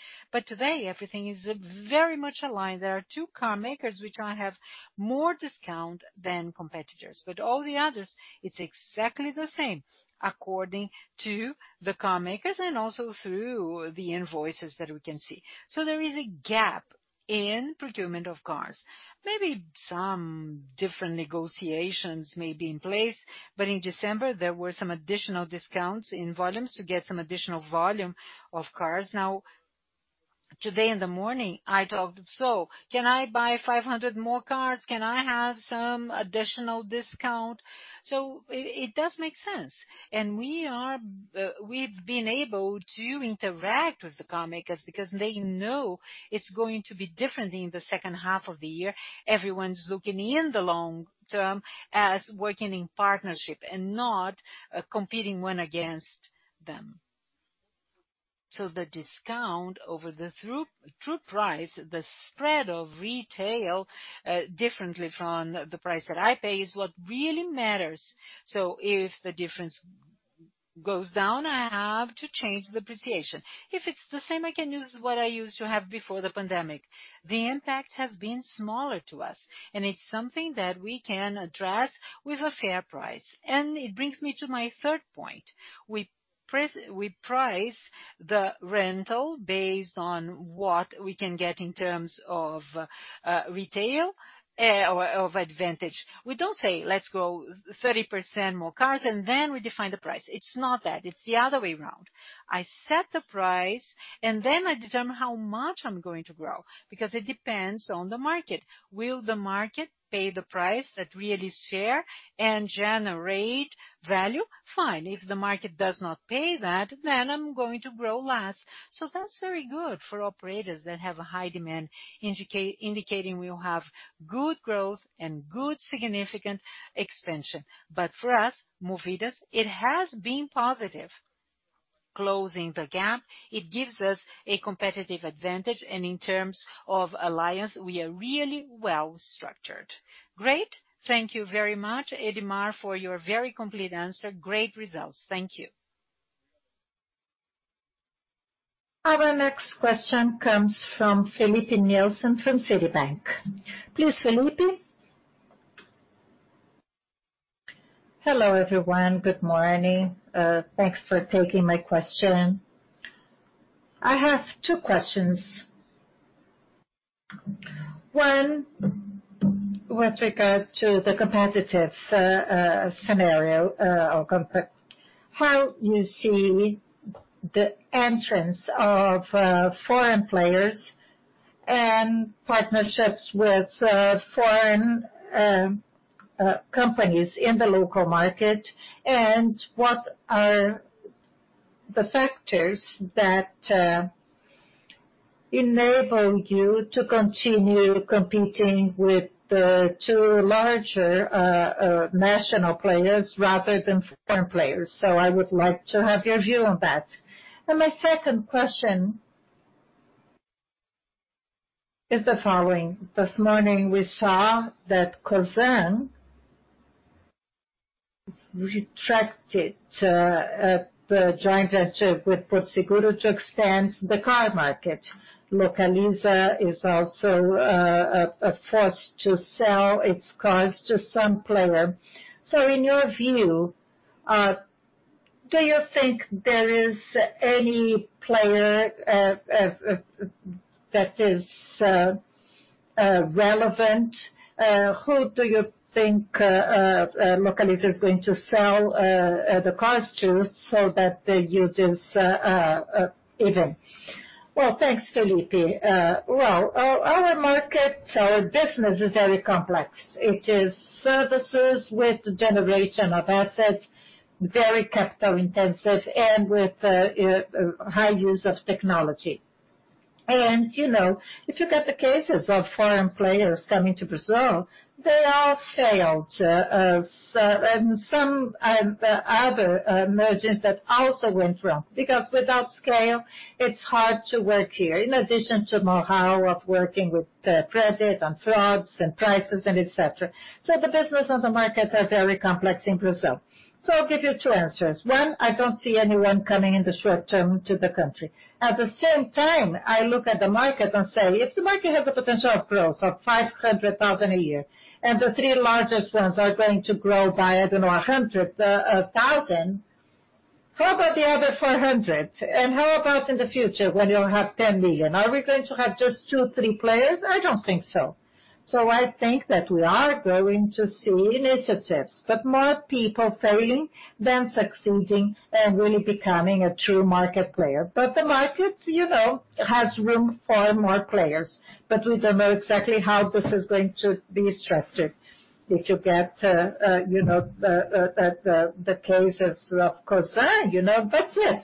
Today, everything is very much aligned. There are two car makers which now have more discount than competitors, but all the others, it's exactly the same according to the car makers and also through the invoices that we can see. There is a gap in procurement of cars. Maybe some different negotiations may be in place, but in December there were some additional discounts in volumes to get some additional volume of cars. Today in the morning I talked, "So can I buy 500 more cars? Can I have some additional discount?" It does make sense. We've been able to interact with the car makers because they know it's going to be different in the second half of the year. Everyone's looking in the long term as working in partnership and not competing one against them. The discount over the true price, the spread of retail, differently from the price that I pay is what really matters. If the difference goes down, I have to change the depreciation. If it's the same, I can use what I used to have before the pandemic. The impact has been smaller to us, and it's something that we can address with a fair price. It brings me to my third point. We price the rental based on what we can get in terms of, retail, of Advantage. We don't say, "Let's grow 30% more cars, and then we define the price." It's not that. It's the other way around. I set the price, and then I determine how much I'm going to grow, because it depends on the market. Will the market pay the price that really is fair and generate value? Fine. If the market does not pay that, then I'm going to grow less. That's very good for operators that have a high demand, indicating we'll have good growth and good significant expansion. For us, Movida's, it has been positive. Closing the gap, it gives us a competitive advantage, and in terms of alliance, we are really well structured. Great. Thank you very much, Edmar, for your very complete answer. Great results. Thank you. Our next question comes from Filipe Nielsen from Citibank. Please, Filipe. Hello, everyone. Good morning. Thanks for taking my question. I have two questions. One, with regard to the competitive scenario, or how you see the entrance of foreign players and partnerships with foreign companies in the local market, and what are the factors that enable you to continue competing with the two larger national players rather than foreign players? I would like to have your view on that. My second question is the following. This morning, we saw that Cosan rescinded the joint venture with Porto Seguro to expand the car market. Localiza is also forced to sell its cars to some player. In your view, do you think there is any player that is relevant? Who do you think Localiza is going to sell the cars to so that the yield is even? Well, thanks, Filipe. Well, our market- our business is very complex. It is services with generation of assets, very capital intensive, and with high use of technology. You know, if you got the cases of foreign players coming to Brazil, they all failed. Some other mergers that also went wrong because without scale it's hard to work here, in addition to know-how of working with credit and frauds and prices and et cetera. The business and the markets are very complex in Brazil. I'll give you two answers. One, I don't see anyone coming in the short term to the country. At the same time, I look at the market and say, "If the market has the potential of growth of 500,000 a year, and the three largest ones are going to grow by, I don't know, 100, 1,000, how about the other 400? And how about in the future when you'll have 10 million? Are we going to have just two, three players?" I don't think so. I think that we are going to see initiatives, but more people failing than succeeding and really becoming a true market player. The market, you know, has room for more players, but we don't know exactly how this is going to be structured. If you get you know, the cases of Cosan, you know, that's it.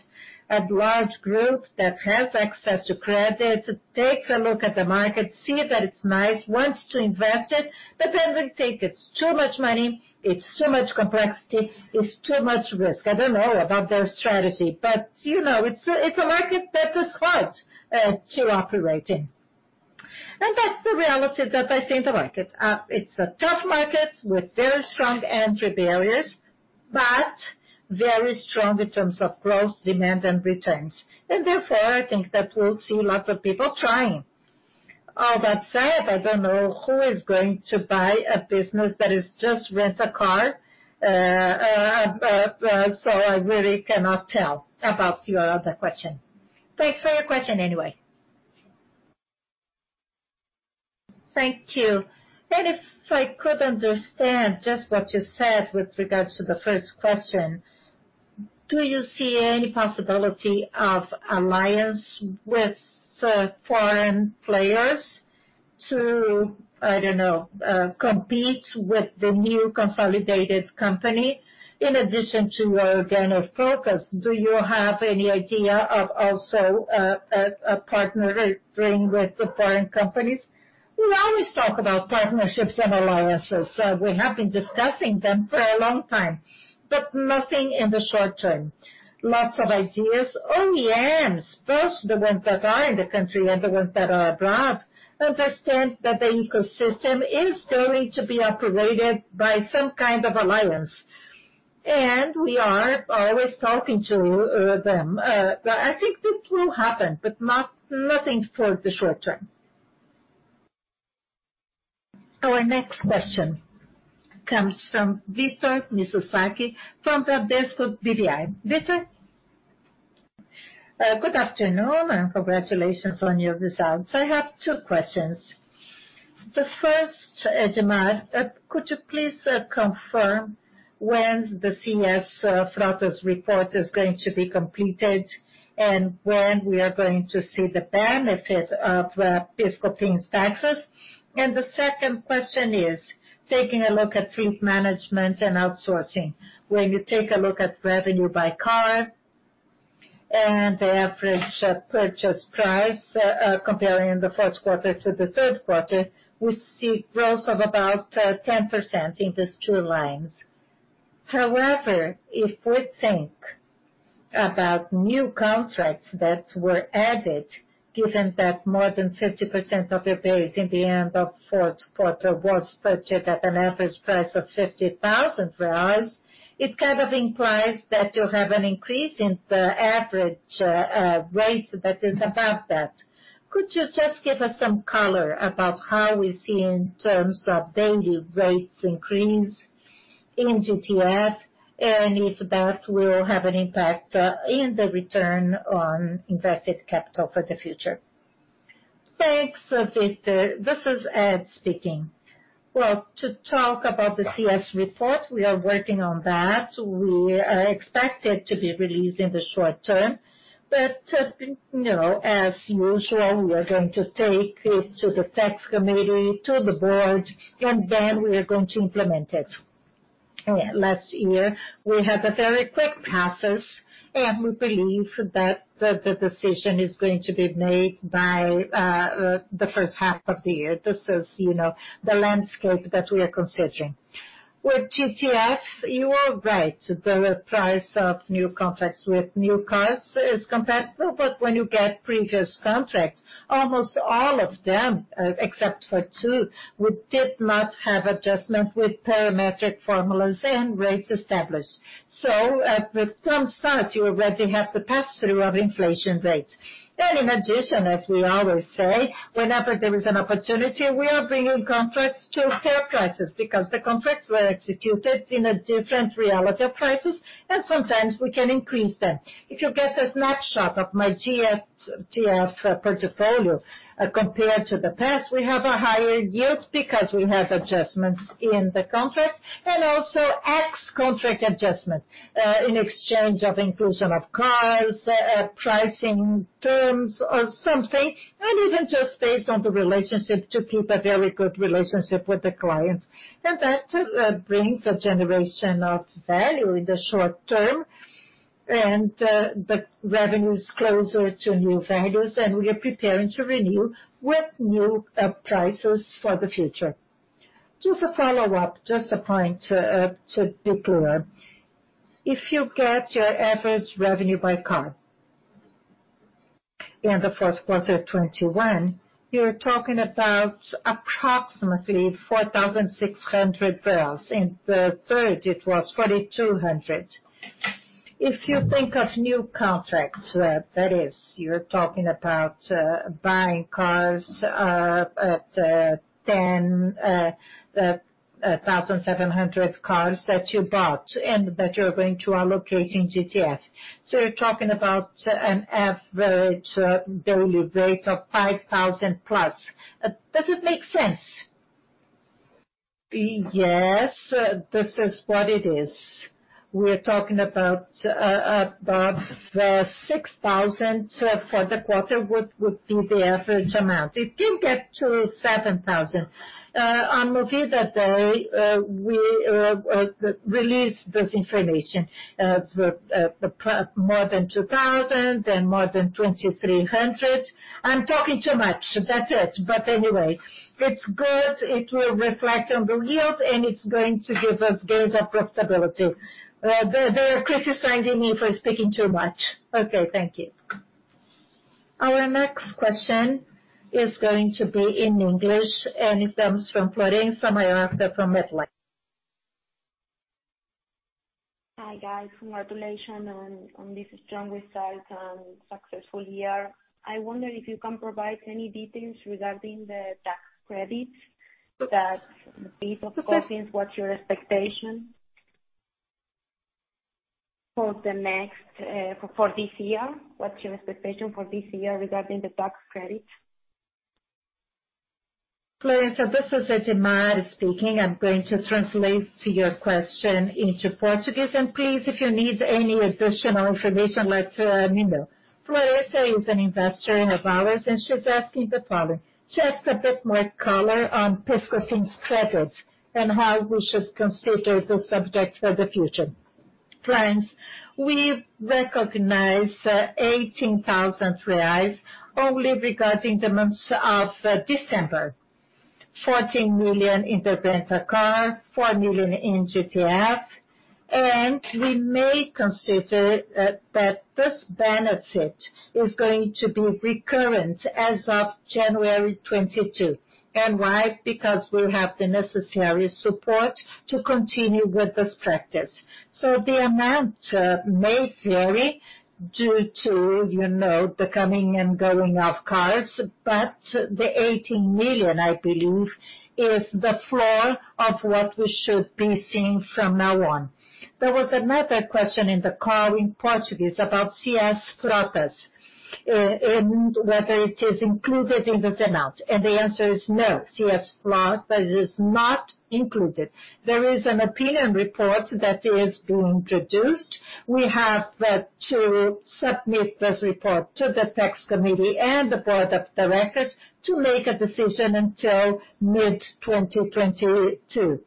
A large group that has access to credit, takes a look at the market, see that it's nice, wants to invest it, but then they think it's too much money, it's too much complexity, it's too much risk. I don't know about their strategy, but, you know, it's a market that is hard to operate in. That's the reality that I see in the market. It's a tough market with very strong entry barriers, but very strong in terms of growth, demand and returns. Therefore, I think that we'll see lots of people trying. All that said, I don't know who is going to buy a business that is just Rent-a-Car. So I really cannot tell about your other question. Thanks for your question anyway. Thank you. If I could understand just what you said with regards to the first question, do you see any possibility of alliance with foreign players to, I don't know, compete with the new consolidated company in addition to a gain of focus? Do you have any idea of also a partnering with the foreign companies? We always talk about partnerships and alliances. We have been discussing them for a long time, but nothing in the short term. Lots of ideas. OEMs, both the ones that are in the country and the ones that are abroad, understand that the ecosystem is going to be operated by some kind of alliance, and we are always talking to them. But I think this will happen, but nothing for the short term. Our next question comes from Victor Mizusaki from Bradesco BBI. Victor. Good afternoon and congratulations on your results. I have two questions. The first, Edmar, could you please confirm when the CS Frotas report is going to be completed and when we are going to see the benefit of PIS/COFINS taxes? The second question is, taking a look at fleet management and outsourcing, when you take a look at revenue by car and the average purchase price, comparing the first quarter to the third quarter, we see growth of about 10% in these two lines. However, if we think about new contracts that were added, given that more than 50% of your vehicles in the end of fourth quarter was purchased at an average price of 50,000 reais, it kind of implies that you have an increase in the average rates that is above that. Could you just give us some color about how we see in terms of daily rates increase in GTF and if that will have an impact in the return on invested capital for the future? Thanks, Victor. This is Ed speaking. Well, to talk about the CS report, we are working on that. We expect it to be released in the short term. You know, as usual, we are going to take it to the tax committee, to the board, and then we are going to implement it. Last year we had a very quick process, and we believe that the decision is going to be made by the first half of the year. This is you know the landscape that we are considering. With GTF, you are right. The price of new contracts with new cars is comparable. When you get previous contracts, almost all of them, except for two, we did not have adjustment with parametric formulas and rates established. With some sites you already have the pass-through of inflation rates. In addition, as we always say, whenever there is an opportunity, we are bringing contracts to fair prices because the contracts were executed in a different reality of prices, and sometimes we can increase them. If you get a snapshot of my GTF portfolio, compared to the past, we have a higher yield because we have adjustments in the contracts and also ex-contract adjustment, in exchange of inclusion of cars, pricing terms or something. Even just based on the relationship to keep a very good relationship with the clients. That brings a generation of value in the short term. The revenue is closer to new values, and we are preparing to renew with new prices for the future. Just a follow-up. Just a point to be clear. If you get your average revenue by car in the first quarter of 2021, you're talking about approximately 4,600. In the third, it was 4,200. If you think of new contracts, that is you're talking about buying 10,700 cars that you bought and that you are going to allocate in GTF. So you're talking about an average daily rate of 5,000+. Does it make sense? Yes. This is what it is. We're talking about the 6,000 for the quarter would be the average amount. It can get to 7,000. On Movida Day, we release this information- more than 2,000, then more than 2,300. I'm talking too much. That's it. But anyway, it's good. It will reflect on the yield, and it's going to give us gains of profitability. They're criticizing me for speaking too much. Okay. Thank you. Our next question is going to be in English, and it comes from Florencia Mayorga from MetLife. Hi, guys. Congratulations on this strong result and successful year. I wonder if you can provide any details regarding the tax credits that PIS/COFINS- what's your expectation for this year regarding the tax credits? Florencia, this is Edmar speaking. I'm going to translate your question into Portuguese, and please, if you need any additional information, let me know. Florence is an investor of ours, and she's asking the following. Just a bit more color on PIS/COFINS credits and how we should consider this subject for the future. Florencia, we've recognized BRL 18 million only regarding the months of December. 14 million in Rent-a-Car, 4 million in GTF, and we may consider that this benefit is going to be recurrent as of January 2022. Why? Because we have the necessary support to continue with this practice. The amount may vary due to, you know, the coming and going of cars, but the 18 million, I believe, is the floor of what we should be seeing from now on. There was another question in the call in Portuguese about CS Frotas, and whether it is included in this amount, and the answer is no. CS Frotas is not included. There is an opinion report that is being introduced. We have to submit this report to the tax committee and the board of directors to make a decision until mid-2022.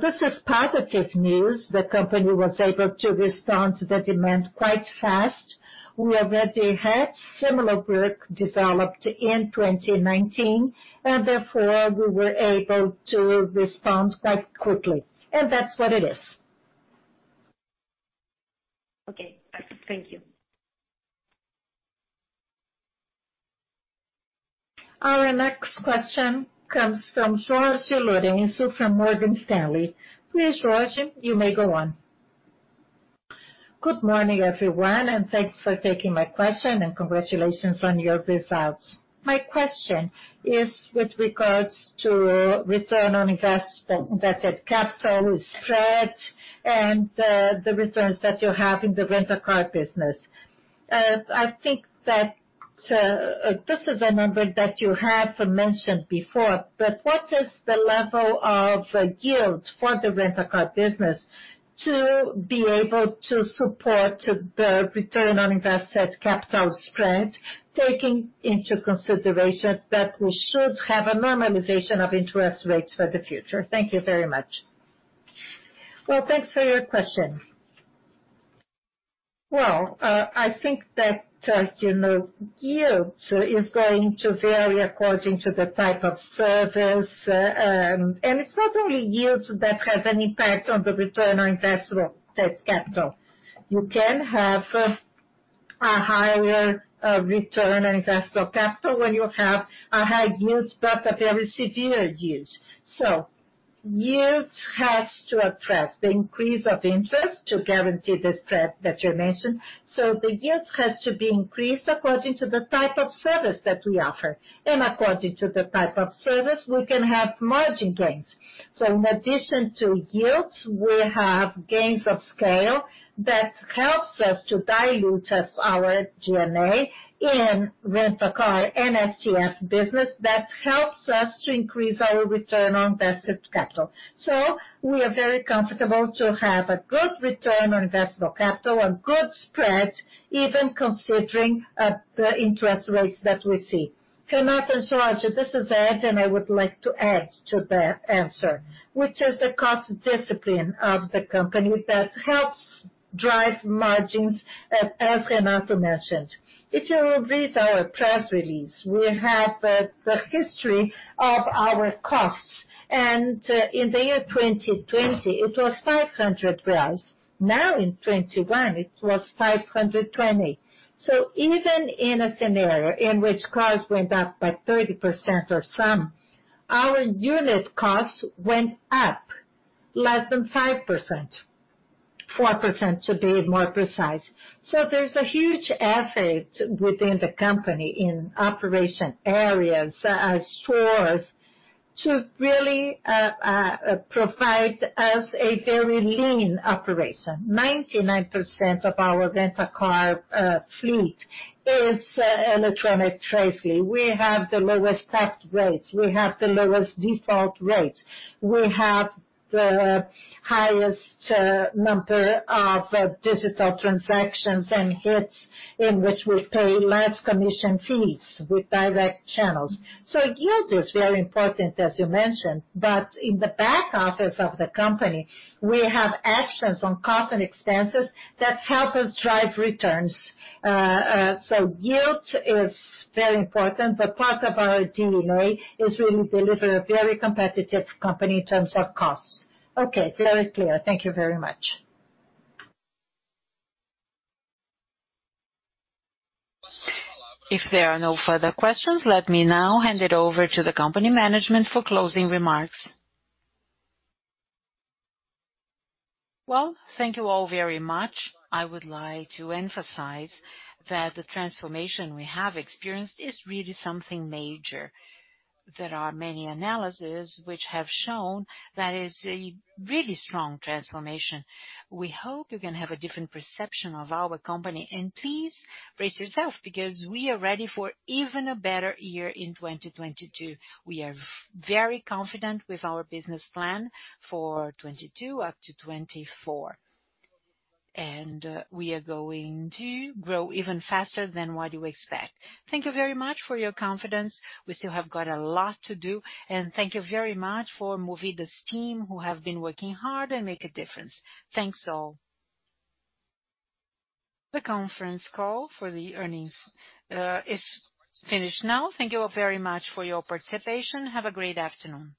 This is positive news. The company was able to respond to the demand quite fast. We already had similar work developed in 2019, and therefore, we were able to respond quite quickly. That's what it is. Okay. Thank you. Our next question comes from Jorge Lourenço from Morgan Stanley. Please, Jorge, you may go on. Good morning, everyone, and thanks for taking my question, and congratulations on your results. My question is with regards to return on investment, invested capital spread, and the returns that you have in the Rent-a-Car business. I think that this is a number that you have mentioned before, but what is the level of yield for the Rent-a-Car business to be able to support the return on invested capital spread, taking into consideration that we should have a normalization of interest rates for the future? Thank you very much. Well, thanks for your question. Well, I think that you know, yield is going to vary according to the type of service. It's not only yields that have an impact on the return on invested capital. You can have a higher return on investable capital when you have a high yield, but a very severe use. Yields has to address the increase of interest to guarantee the spread that you mentioned. The yield has to be increased according to the type of service that we offer. According to the type of service, we can have margin gains. In addition to yields, we have gains of scale that helps us to dilute our G&A in Rent-a-Car and GTF business that helps us to increase our return on invested capital. We are very comfortable to have a good return on investable capital and good spread, even considering the interest rates that we see. Renato and Jorge Lourenço, this is Ed, and I would like to add to the answer, which is the cost discipline of the company that helps drive margins, as Renato mentioned. If you read our press release, we have the history of our costs. In the year 2020, it was 500 reais. Now in 2021, it was 520. So even in a scenario in which costs went up by 30% or some, our unit costs went up less than 5%- 4% to be more precise. So there's a huge effort within the company in operation areas, stores, to really provide us a very lean operation. 99% of our Rent-a-Car fleet is electronic tracing. We have the lowest theft rates, we have the lowest default rates. We have the highest number of digital transactions and hits in which we pay less commission fees with direct channels. Yield is very important, as you mentioned, but in the back office of the company, we have actions on cost and expenses that help us drive returns. Yield is very important, but part of our DNA is really deliver a very competitive company in terms of costs. Okay. Very clear. Thank you very much. If there are no further questions, let me now hand it over to the company management for closing remarks. Well, thank you all very much. I would like to emphasize that the transformation we have experienced is really something major. There are many analyses which have shown that it's a really strong transformation. We hope you're gonna have a different perception of our company. Please brace yourself because we are ready for even a better year in 2022. We are very confident with our business plan for 2022, up to 2024. We are going to grow even faster than what you expect. Thank you very much for your confidence. We still have got a lot to do. Thank you very much for Movida's team who have been working hard and make a difference. Thanks all. The conference call for the earnings is finished now. Thank you all very much for your participation. Have a great afternoon.